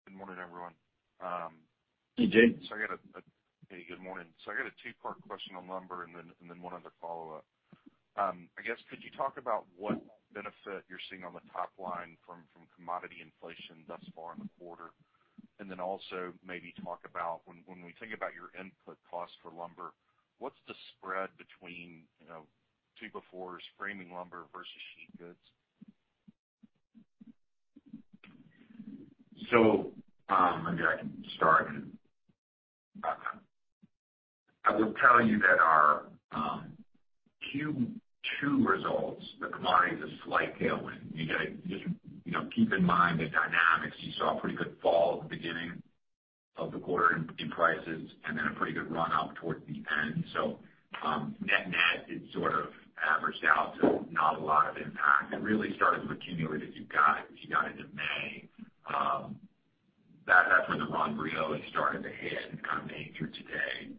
Good morning, everyone. Hey, Jay. Hey, good morning. I got a two-part question on lumber and then one other follow-up. I guess, could you talk about what benefit you're seeing on the top line from commodity inflation thus far in the quarter, and then also maybe talk about when we think about your input costs for lumber, what's the spread between two by fours framing lumber versus sheet goods? Maybe I can start. I will tell you that our Q2 results, the commodity is a slight tailwind. Keep in mind the dynamics. You saw a pretty good fall at the beginning of the quarter in prices, and then a pretty good run-up towards the end. Net-net, it sort of averaged out to not a lot of impact. It really started to accumulate as you got into May. That's when the run-up started to hit and kind of made it through today.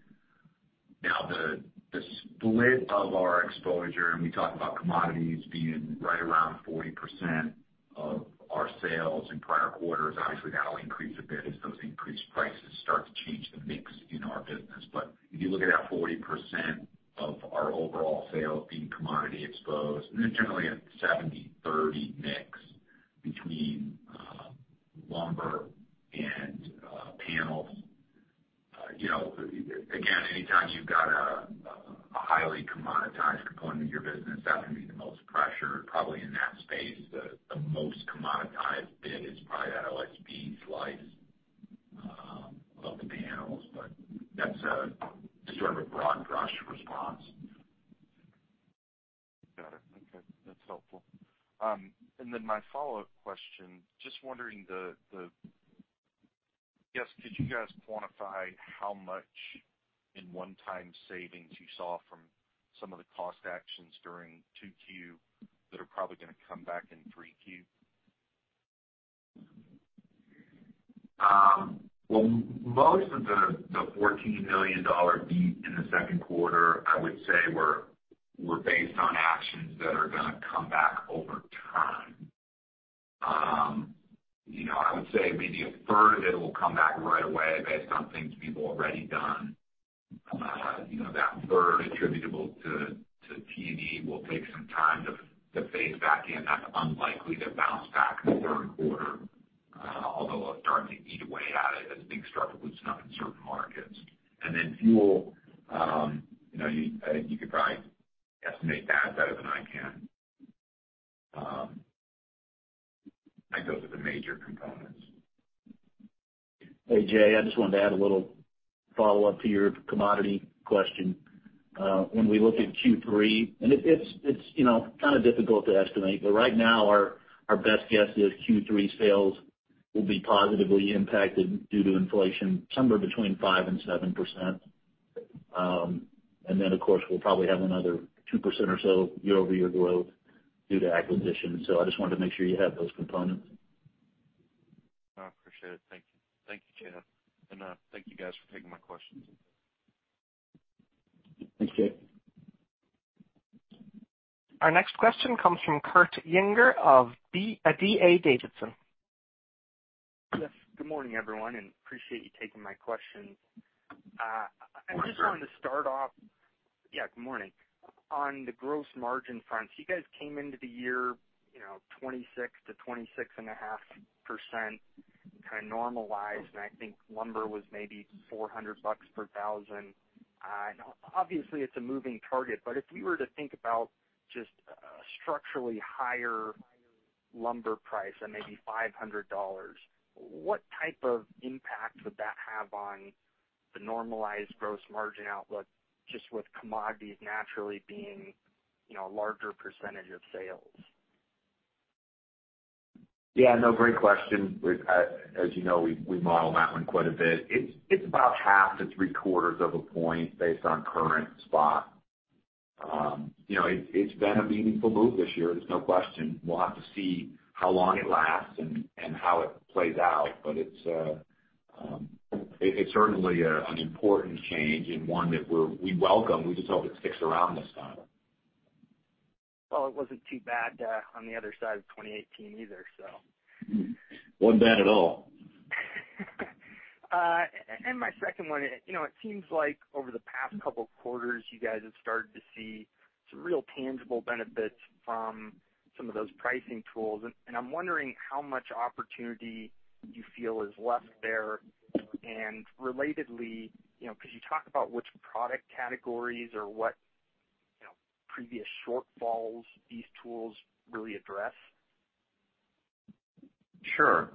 The split of our exposure, and we talk about commodities being right around 40% of our sales in prior quarters. Obviously, that'll increase a bit as those increased prices start to change the mix in our business. If you look at that 40% of our overall sales being commodity exposed, and it's generally a 70/30 mix between lumber and panels. Again, anytime you've got a highly commoditized component of your business, that's going to be the most pressure. Probably in that space, the most commoditized bit is probably that OSB slice of the panels. That's sort of a broad brush response. Got it. Okay. That's helpful. My follow-up question, just wondering, could you guys quantify how much in one-time savings you saw from some of the cost actions during 2Q that are probably going to come back in 3Q? Well, most of the $14 million beat in the second quarter, I would say, were based on actions that are going to come back over time. I would say maybe a third of it will come back right away based on things we've already done. That third attributable to T&E will take some time to phase back in. That's unlikely to bounce back in the third quarter, although it'll start to eat away at it as things start to loosen up in certain markets. Then fuel, you could probably estimate that better than I can. I think those are the major components. Hey, Jay, I just wanted to add a little follow-up to your commodity question. When we look at Q3, and it's kind of difficult to estimate, but right now our best guess is Q3 sales will be positively impacted due to inflation somewhere between 5% and 7%. Of course, we'll probably have another 2% or so year-over-year growth due to acquisition. I just wanted to make sure you have those components. I appreciate it. Thank you. Thank you, Chad. Thank you guys for taking my questions. Thanks, Jay. Our next question comes from Kurt Yinger of D.A. Davidson. Yes, good morning, everyone, and appreciate you taking my questions. Good morning. I just wanted to start off, yeah, good morning, on the gross margin front. You guys came into the year 26%-26.5%, kind of normalized, and I think lumber was maybe $400 per thousand. Obviously, it's a moving target, but if you were to think about just a structurally higher lumber price at maybe $500, what type of impact would that have on the normalized gross margin outlook, just with commodities naturally being a larger percentage of sales? Yeah. No, great question. As you know, we model that one quite a bit. It's about half to three quarters of a point based on current spot. It's been a meaningful move this year, there's no question. We'll have to see how long it lasts and how it plays out. It's certainly an important change and one that we welcome. We just hope it sticks around this time. Well, it wasn't too bad on the other side of 2018 either, so. Wasn't bad at all. My second one, it seems like over the past couple of quarters, you guys have started to see some real tangible benefits from some of those pricing tools, and I'm wondering how much opportunity you feel is left there. Relatedly, could you talk about which product categories or what previous shortfalls these tools really address? Sure.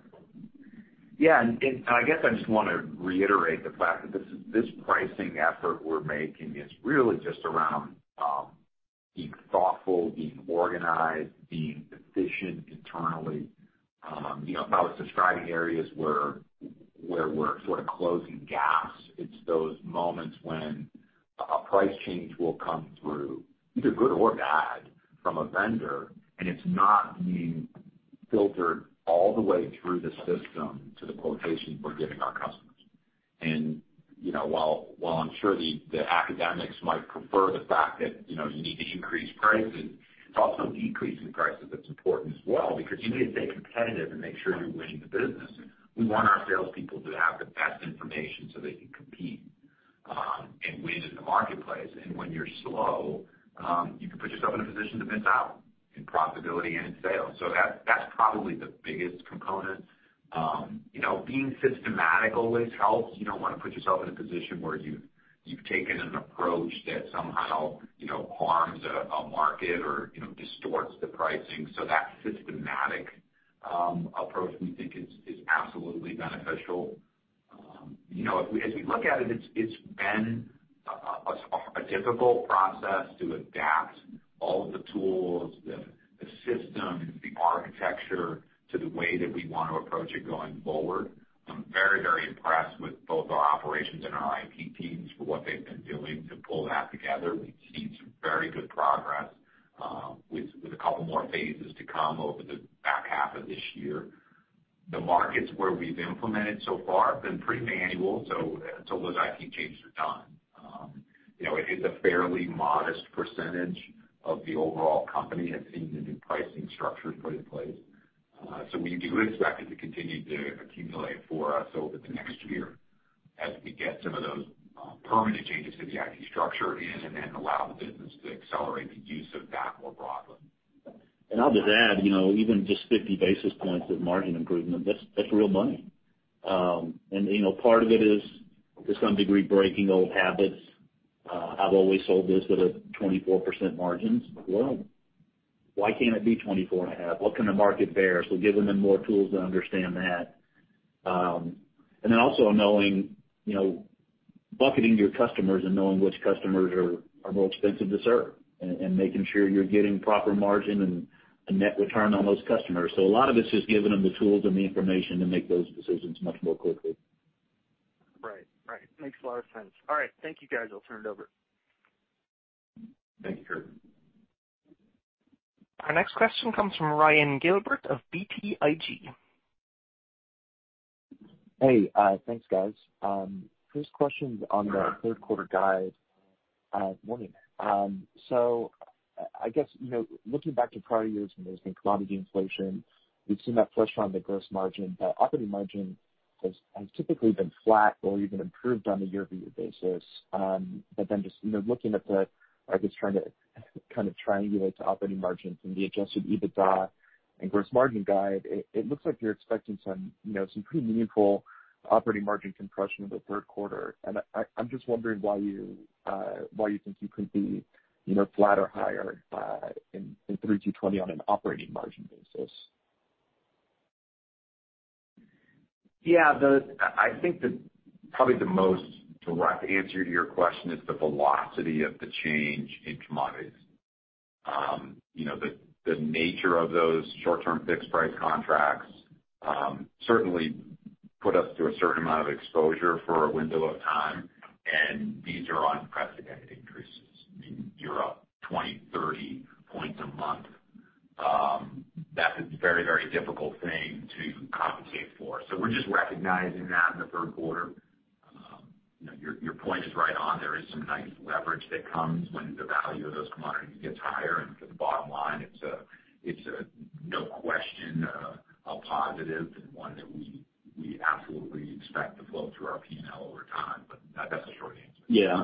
Yeah, I guess I just want to reiterate the fact that this pricing effort we're making is really just around being thoughtful, being organized, being efficient internally. If I was describing areas where we're sort of closing gaps, it's those moments when a price change will come through, either good or bad, from a vendor, and it's not being filtered all the way through the system to the quotation we're giving our customers. While I'm sure the academics might prefer the fact that you need to increase prices, it's also decreasing prices that's important as well, because you need to stay competitive and make sure you're winning the business. We want our salespeople to have the best information so they can compete and win in the marketplace. When you're slow, you can put yourself in a position to miss out in profitability and in sales. That's probably the biggest component. Being systematic always helps. You don't want to put yourself in a position where you've taken an approach that somehow harms a market or distorts the pricing. That systematic approach we think is absolutely beneficial. As we look at it's been a difficult process to adapt all of the tools, the system, the architecture to the way that we want to approach it going forward. I'm very impressed with both our operations and our IT teams for what they've been doing to pull that together. We've seen some very good progress, with a couple more phases to come over the back half of this year. The markets where we've implemented so far have been pretty manual, those IT changes are done. It is a fairly modest percentage of the overall company that's seen the new pricing structures put in place. We do expect it to continue to accumulate for us over the next year as we get some of those permanent changes to the IT structure in and then allow the business to accelerate the use of that more broadly. I'll just add, even just 50 basis points of margin improvement, that's real money. Part of it is, to some degree, breaking old habits. I've always sold this at a 24% margins. Well, why can't it be 24.5%? What can the market bear? Giving them more tools to understand that. Also bucketing your customers and knowing which customers are more expensive to serve, and making sure you're getting proper margin and a net return on those customers. A lot of it's just giving them the tools and the information to make those decisions much more quickly. Right. Makes a lot of sense. All right. Thank you guys. I'll turn it over. Thank you, Kurt. Our next question comes from Ryan Gilbert of BTIG. Hey, thanks guys. First question on the third quarter guide warning. I guess, looking back to prior years when there's been commodity inflation, we've seen that flush on the gross margin, but operating margin has typically been flat or even improved on a year-over-year basis. Just looking at, I guess trying to kind of triangulate the operating margins and the adjusted EBITDA and gross margin guide, it looks like you're expecting some pretty meaningful operating margin compression in the third quarter. I'm just wondering why you think you couldn't be flat or higher in 3Q 2020 on an operating margin basis. Yeah, I think that probably the most direct answer to your question is the velocity of the change in commodities. The nature of those short-term fixed price contracts certainly put us to a certain amount of exposure for a window of time, and these are unprecedented increases. I mean, you're up 20, 30 points a month. That's a very difficult thing to compensate for. We're just recognizing that in the third quarter. Your point is right on. There is some nice leverage that comes when the value of those commodities gets higher. For the bottom line, it's a no question a positive and one that we absolutely expect to flow through our P&L over time. That's the short answer. Yeah.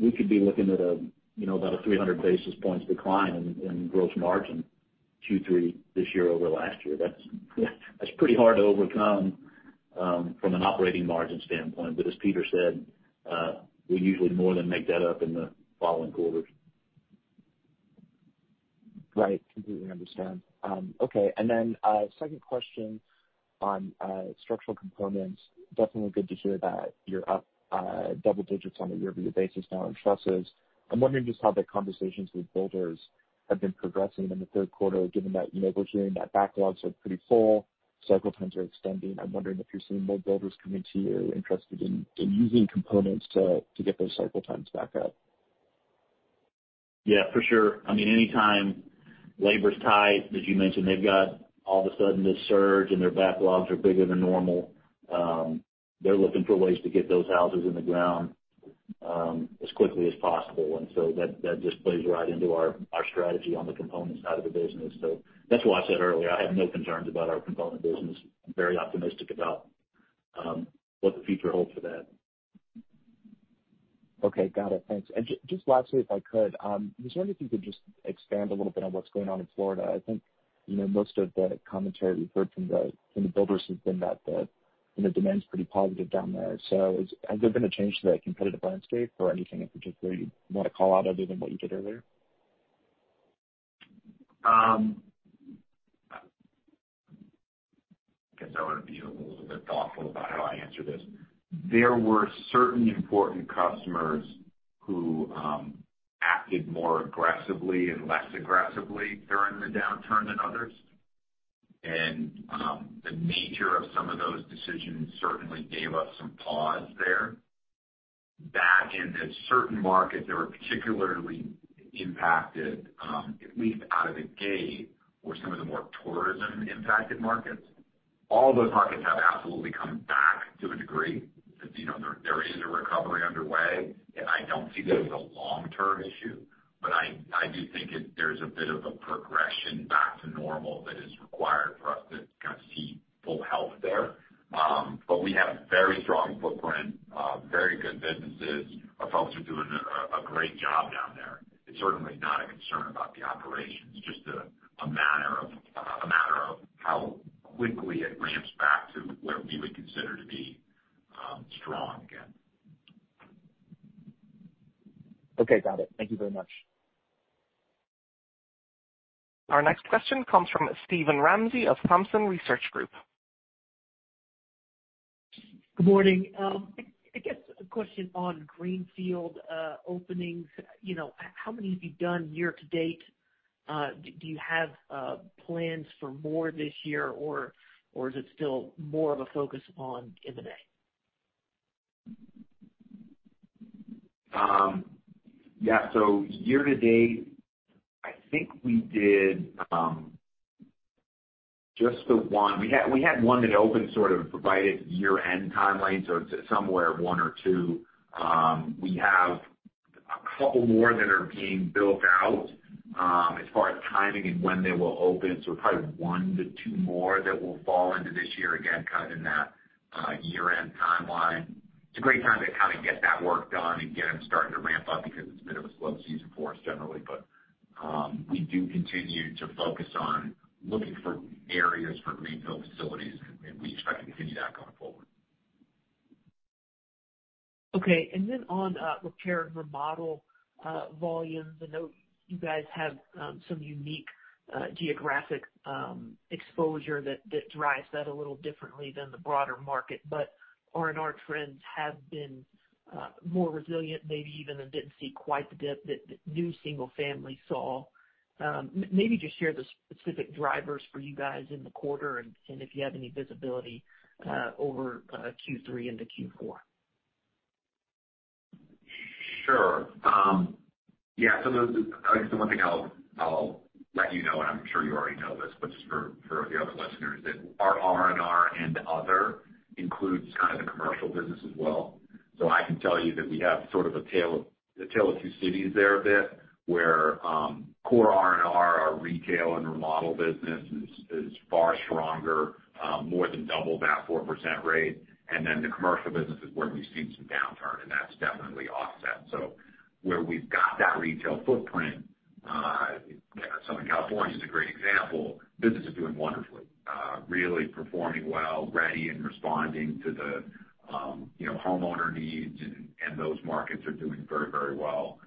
We could be looking at about a 300 basis points decline in gross margin Q3 this year over last year. That's pretty hard to overcome from an operating margin standpoint. As Peter said, we usually more than make that up in the following quarters. Right. Completely understand. Okay. Second question on structural components. Definitely good to hear that you're up double digits on a year-over-year basis now in trusses. I'm wondering just how the conversations with builders have been progressing in the third quarter, given that we're hearing that backlogs are pretty full, cycle times are extending. I'm wondering if you're seeing more builders coming to you interested in using components to get those cycle times back up. Yeah, for sure. Anytime labor's tight, as you mentioned, they've got all of a sudden this surge and their backlogs are bigger than normal. They're looking for ways to get those houses in the ground as quickly as possible. That just plays right into our strategy on the components side of the business. That's why I said earlier, I have no concerns about our component business. I'm very optimistic about what the future holds for that. Okay. Got it. Thanks. Just lastly, if I could, I was wondering if you could just expand a little bit on what's going on in Florida. I think most of the commentary we've heard from the builders has been that the demand's pretty positive down there. Has there been a change to the competitive landscape or anything in particular you'd want to call out other than what you did earlier? I guess I want to be a little bit thoughtful about how I answer this. There were certain important customers who acted more aggressively and less aggressively during the downturn than others. The nature of some of those decisions certainly gave us some pause there. Back in the certain markets that were particularly impacted, at least out of the gate, were some of the more tourism-impacted markets. All those markets have absolutely come back to a degree. There is a recovery underway, and I don't see this as a long-term issue, but I do think there's a bit of a progression back to normal that is required for us to kind of see full health there. We have a very strong footprint, very good businesses. Our folks are doing a great job down there. It's certainly not a concern about the operations, just a matter of how quickly it ramps back to what we would consider to be strong again. Okay, got it. Thank you very much. Our next question comes from Steven Ramsey of Thompson Research Group. Good morning. I guess a question on greenfield openings. How many have you done year to date? Do you have plans for more this year, or is it still more of a focus on M&A? Yeah. Year-to-date, I think we did just the one. We had one that opened sort of provided year-end timeline, so it's somewhere one or two. We have a couple more that are being built out. As far as timing and when they will open, probably one to two more that will fall into this year, again, kind of in that year-end timeline. It's a great time to kind of get that work done and get them starting to ramp up because it's a bit of a slow season for us generally. We do continue to focus on looking for areas for greenfield facilities, and we expect to continue that going forward. Okay, on repair and remodel volumes, I know you guys have some unique geographic exposure that drives that a little differently than the broader market. R&R trends have been more resilient, maybe even didn't see quite the dip that new single family saw. Maybe just share the specific drivers for you guys in the quarter and if you have any visibility over Q3 into Q4. Sure. Yeah. I guess the one thing I'll let you know, and I'm sure you already know this, but just for the other listeners, that our R&R and other includes kind of the commercial business as well. I can tell you that we have sort of a tale of two cities there a bit, where core R&R, our retail and remodel business is far stronger, more than double that 4% rate. The commercial business is where we've seen some downturn, and that's definitely offset. Where we've got that retail footprint, Southern California's a great example. Business is doing wonderfully, really performing well, ready and responding to the homeowner needs and those markets are doing very well.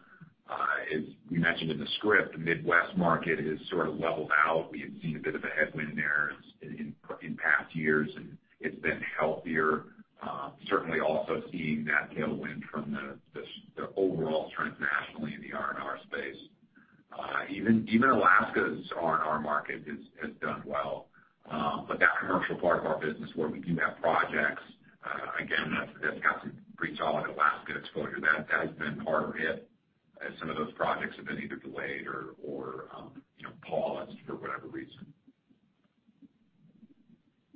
As we mentioned in the script, the Midwest market has sort of leveled out. We have seen a bit of a headwind there in past years, and it's been healthier. Certainly, also seeing that tailwind from the overall trends nationally in the R&R space. Even Alaska's R&R market has done well. That commercial part of our business where we do have projects, again, that's got some retail and Alaska exposure. That has been harder hit as some of those projects have been either delayed or paused for whatever reason.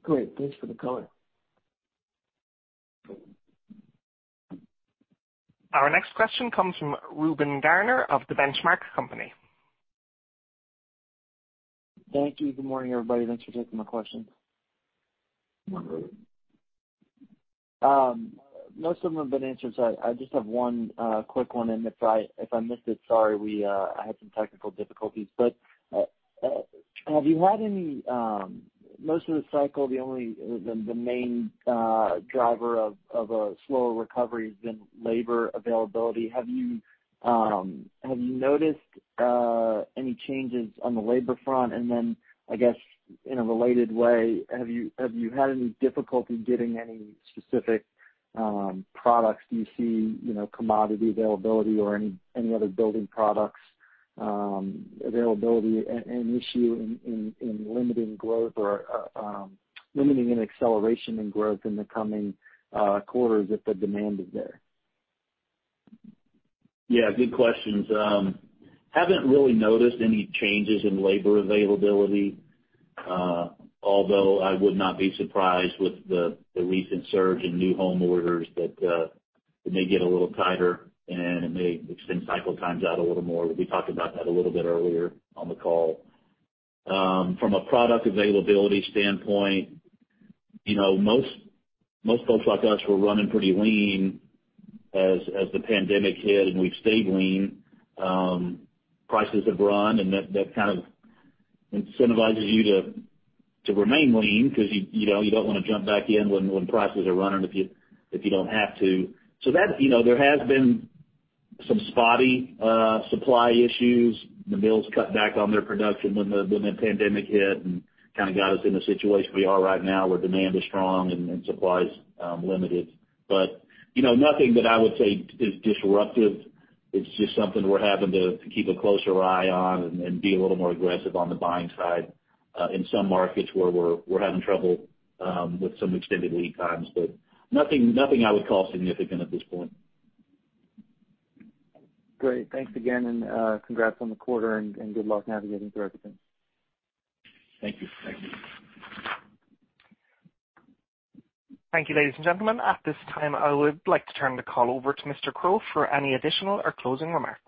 Great. Thanks for the color. Our next question comes from Reuben Garner of The Benchmark Company. Thank you. Good morning, everybody. Thanks for taking my questions. Good morning. Most of them have been answered. I just have one quick one, and if I missed it, sorry. I had some technical difficulties. Most of the cycle, the main driver of a slower recovery has been labor availability. Have you noticed any changes on the labor front? I guess in a related way, have you had any difficulty getting any specific products? Do you see commodity availability or any other building products availability an issue in limiting growth or limiting an acceleration in growth in the coming quarters if the demand is there? Yeah, good questions. Haven't really noticed any changes in labor availability. Although I would not be surprised with the recent surge in new home orders that it may get a little tighter and it may extend cycle times out a little more. We talked about that a little bit earlier on the call. From a product availability standpoint, most folks like us were running pretty lean as the pandemic hit, and we've stayed lean. Prices have run, and that kind of incentivizes you to remain lean because you don't want to jump back in when prices are running if you don't have to. There has been some spotty supply issues. The mills cut back on their production when the pandemic hit and kind of got us in the situation we are right now where demand is strong and supply is limited. Nothing that I would say is disruptive. It's just something we're having to keep a closer eye on and be a little more aggressive on the buying side in some markets where we're having trouble with some extended lead times, but nothing I would call significant at this point. Great. Thanks again and congrats on the quarter and good luck navigating through everything. Thank you. Thank you, ladies and gentlemen. At this time, I would like to turn the call over to Mr. Crow for any additional or closing remarks.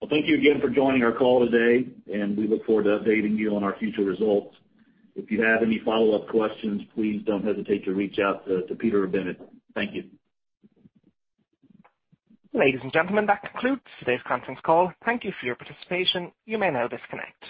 Well, thank you again for joining our call today. We look forward to updating you on our future results. If you have any follow-up questions, please don't hesitate to reach out to Peter or Binit Thank you. Ladies and gentlemen, that concludes today's conference call. Thank you for your participation. You may now disconnect.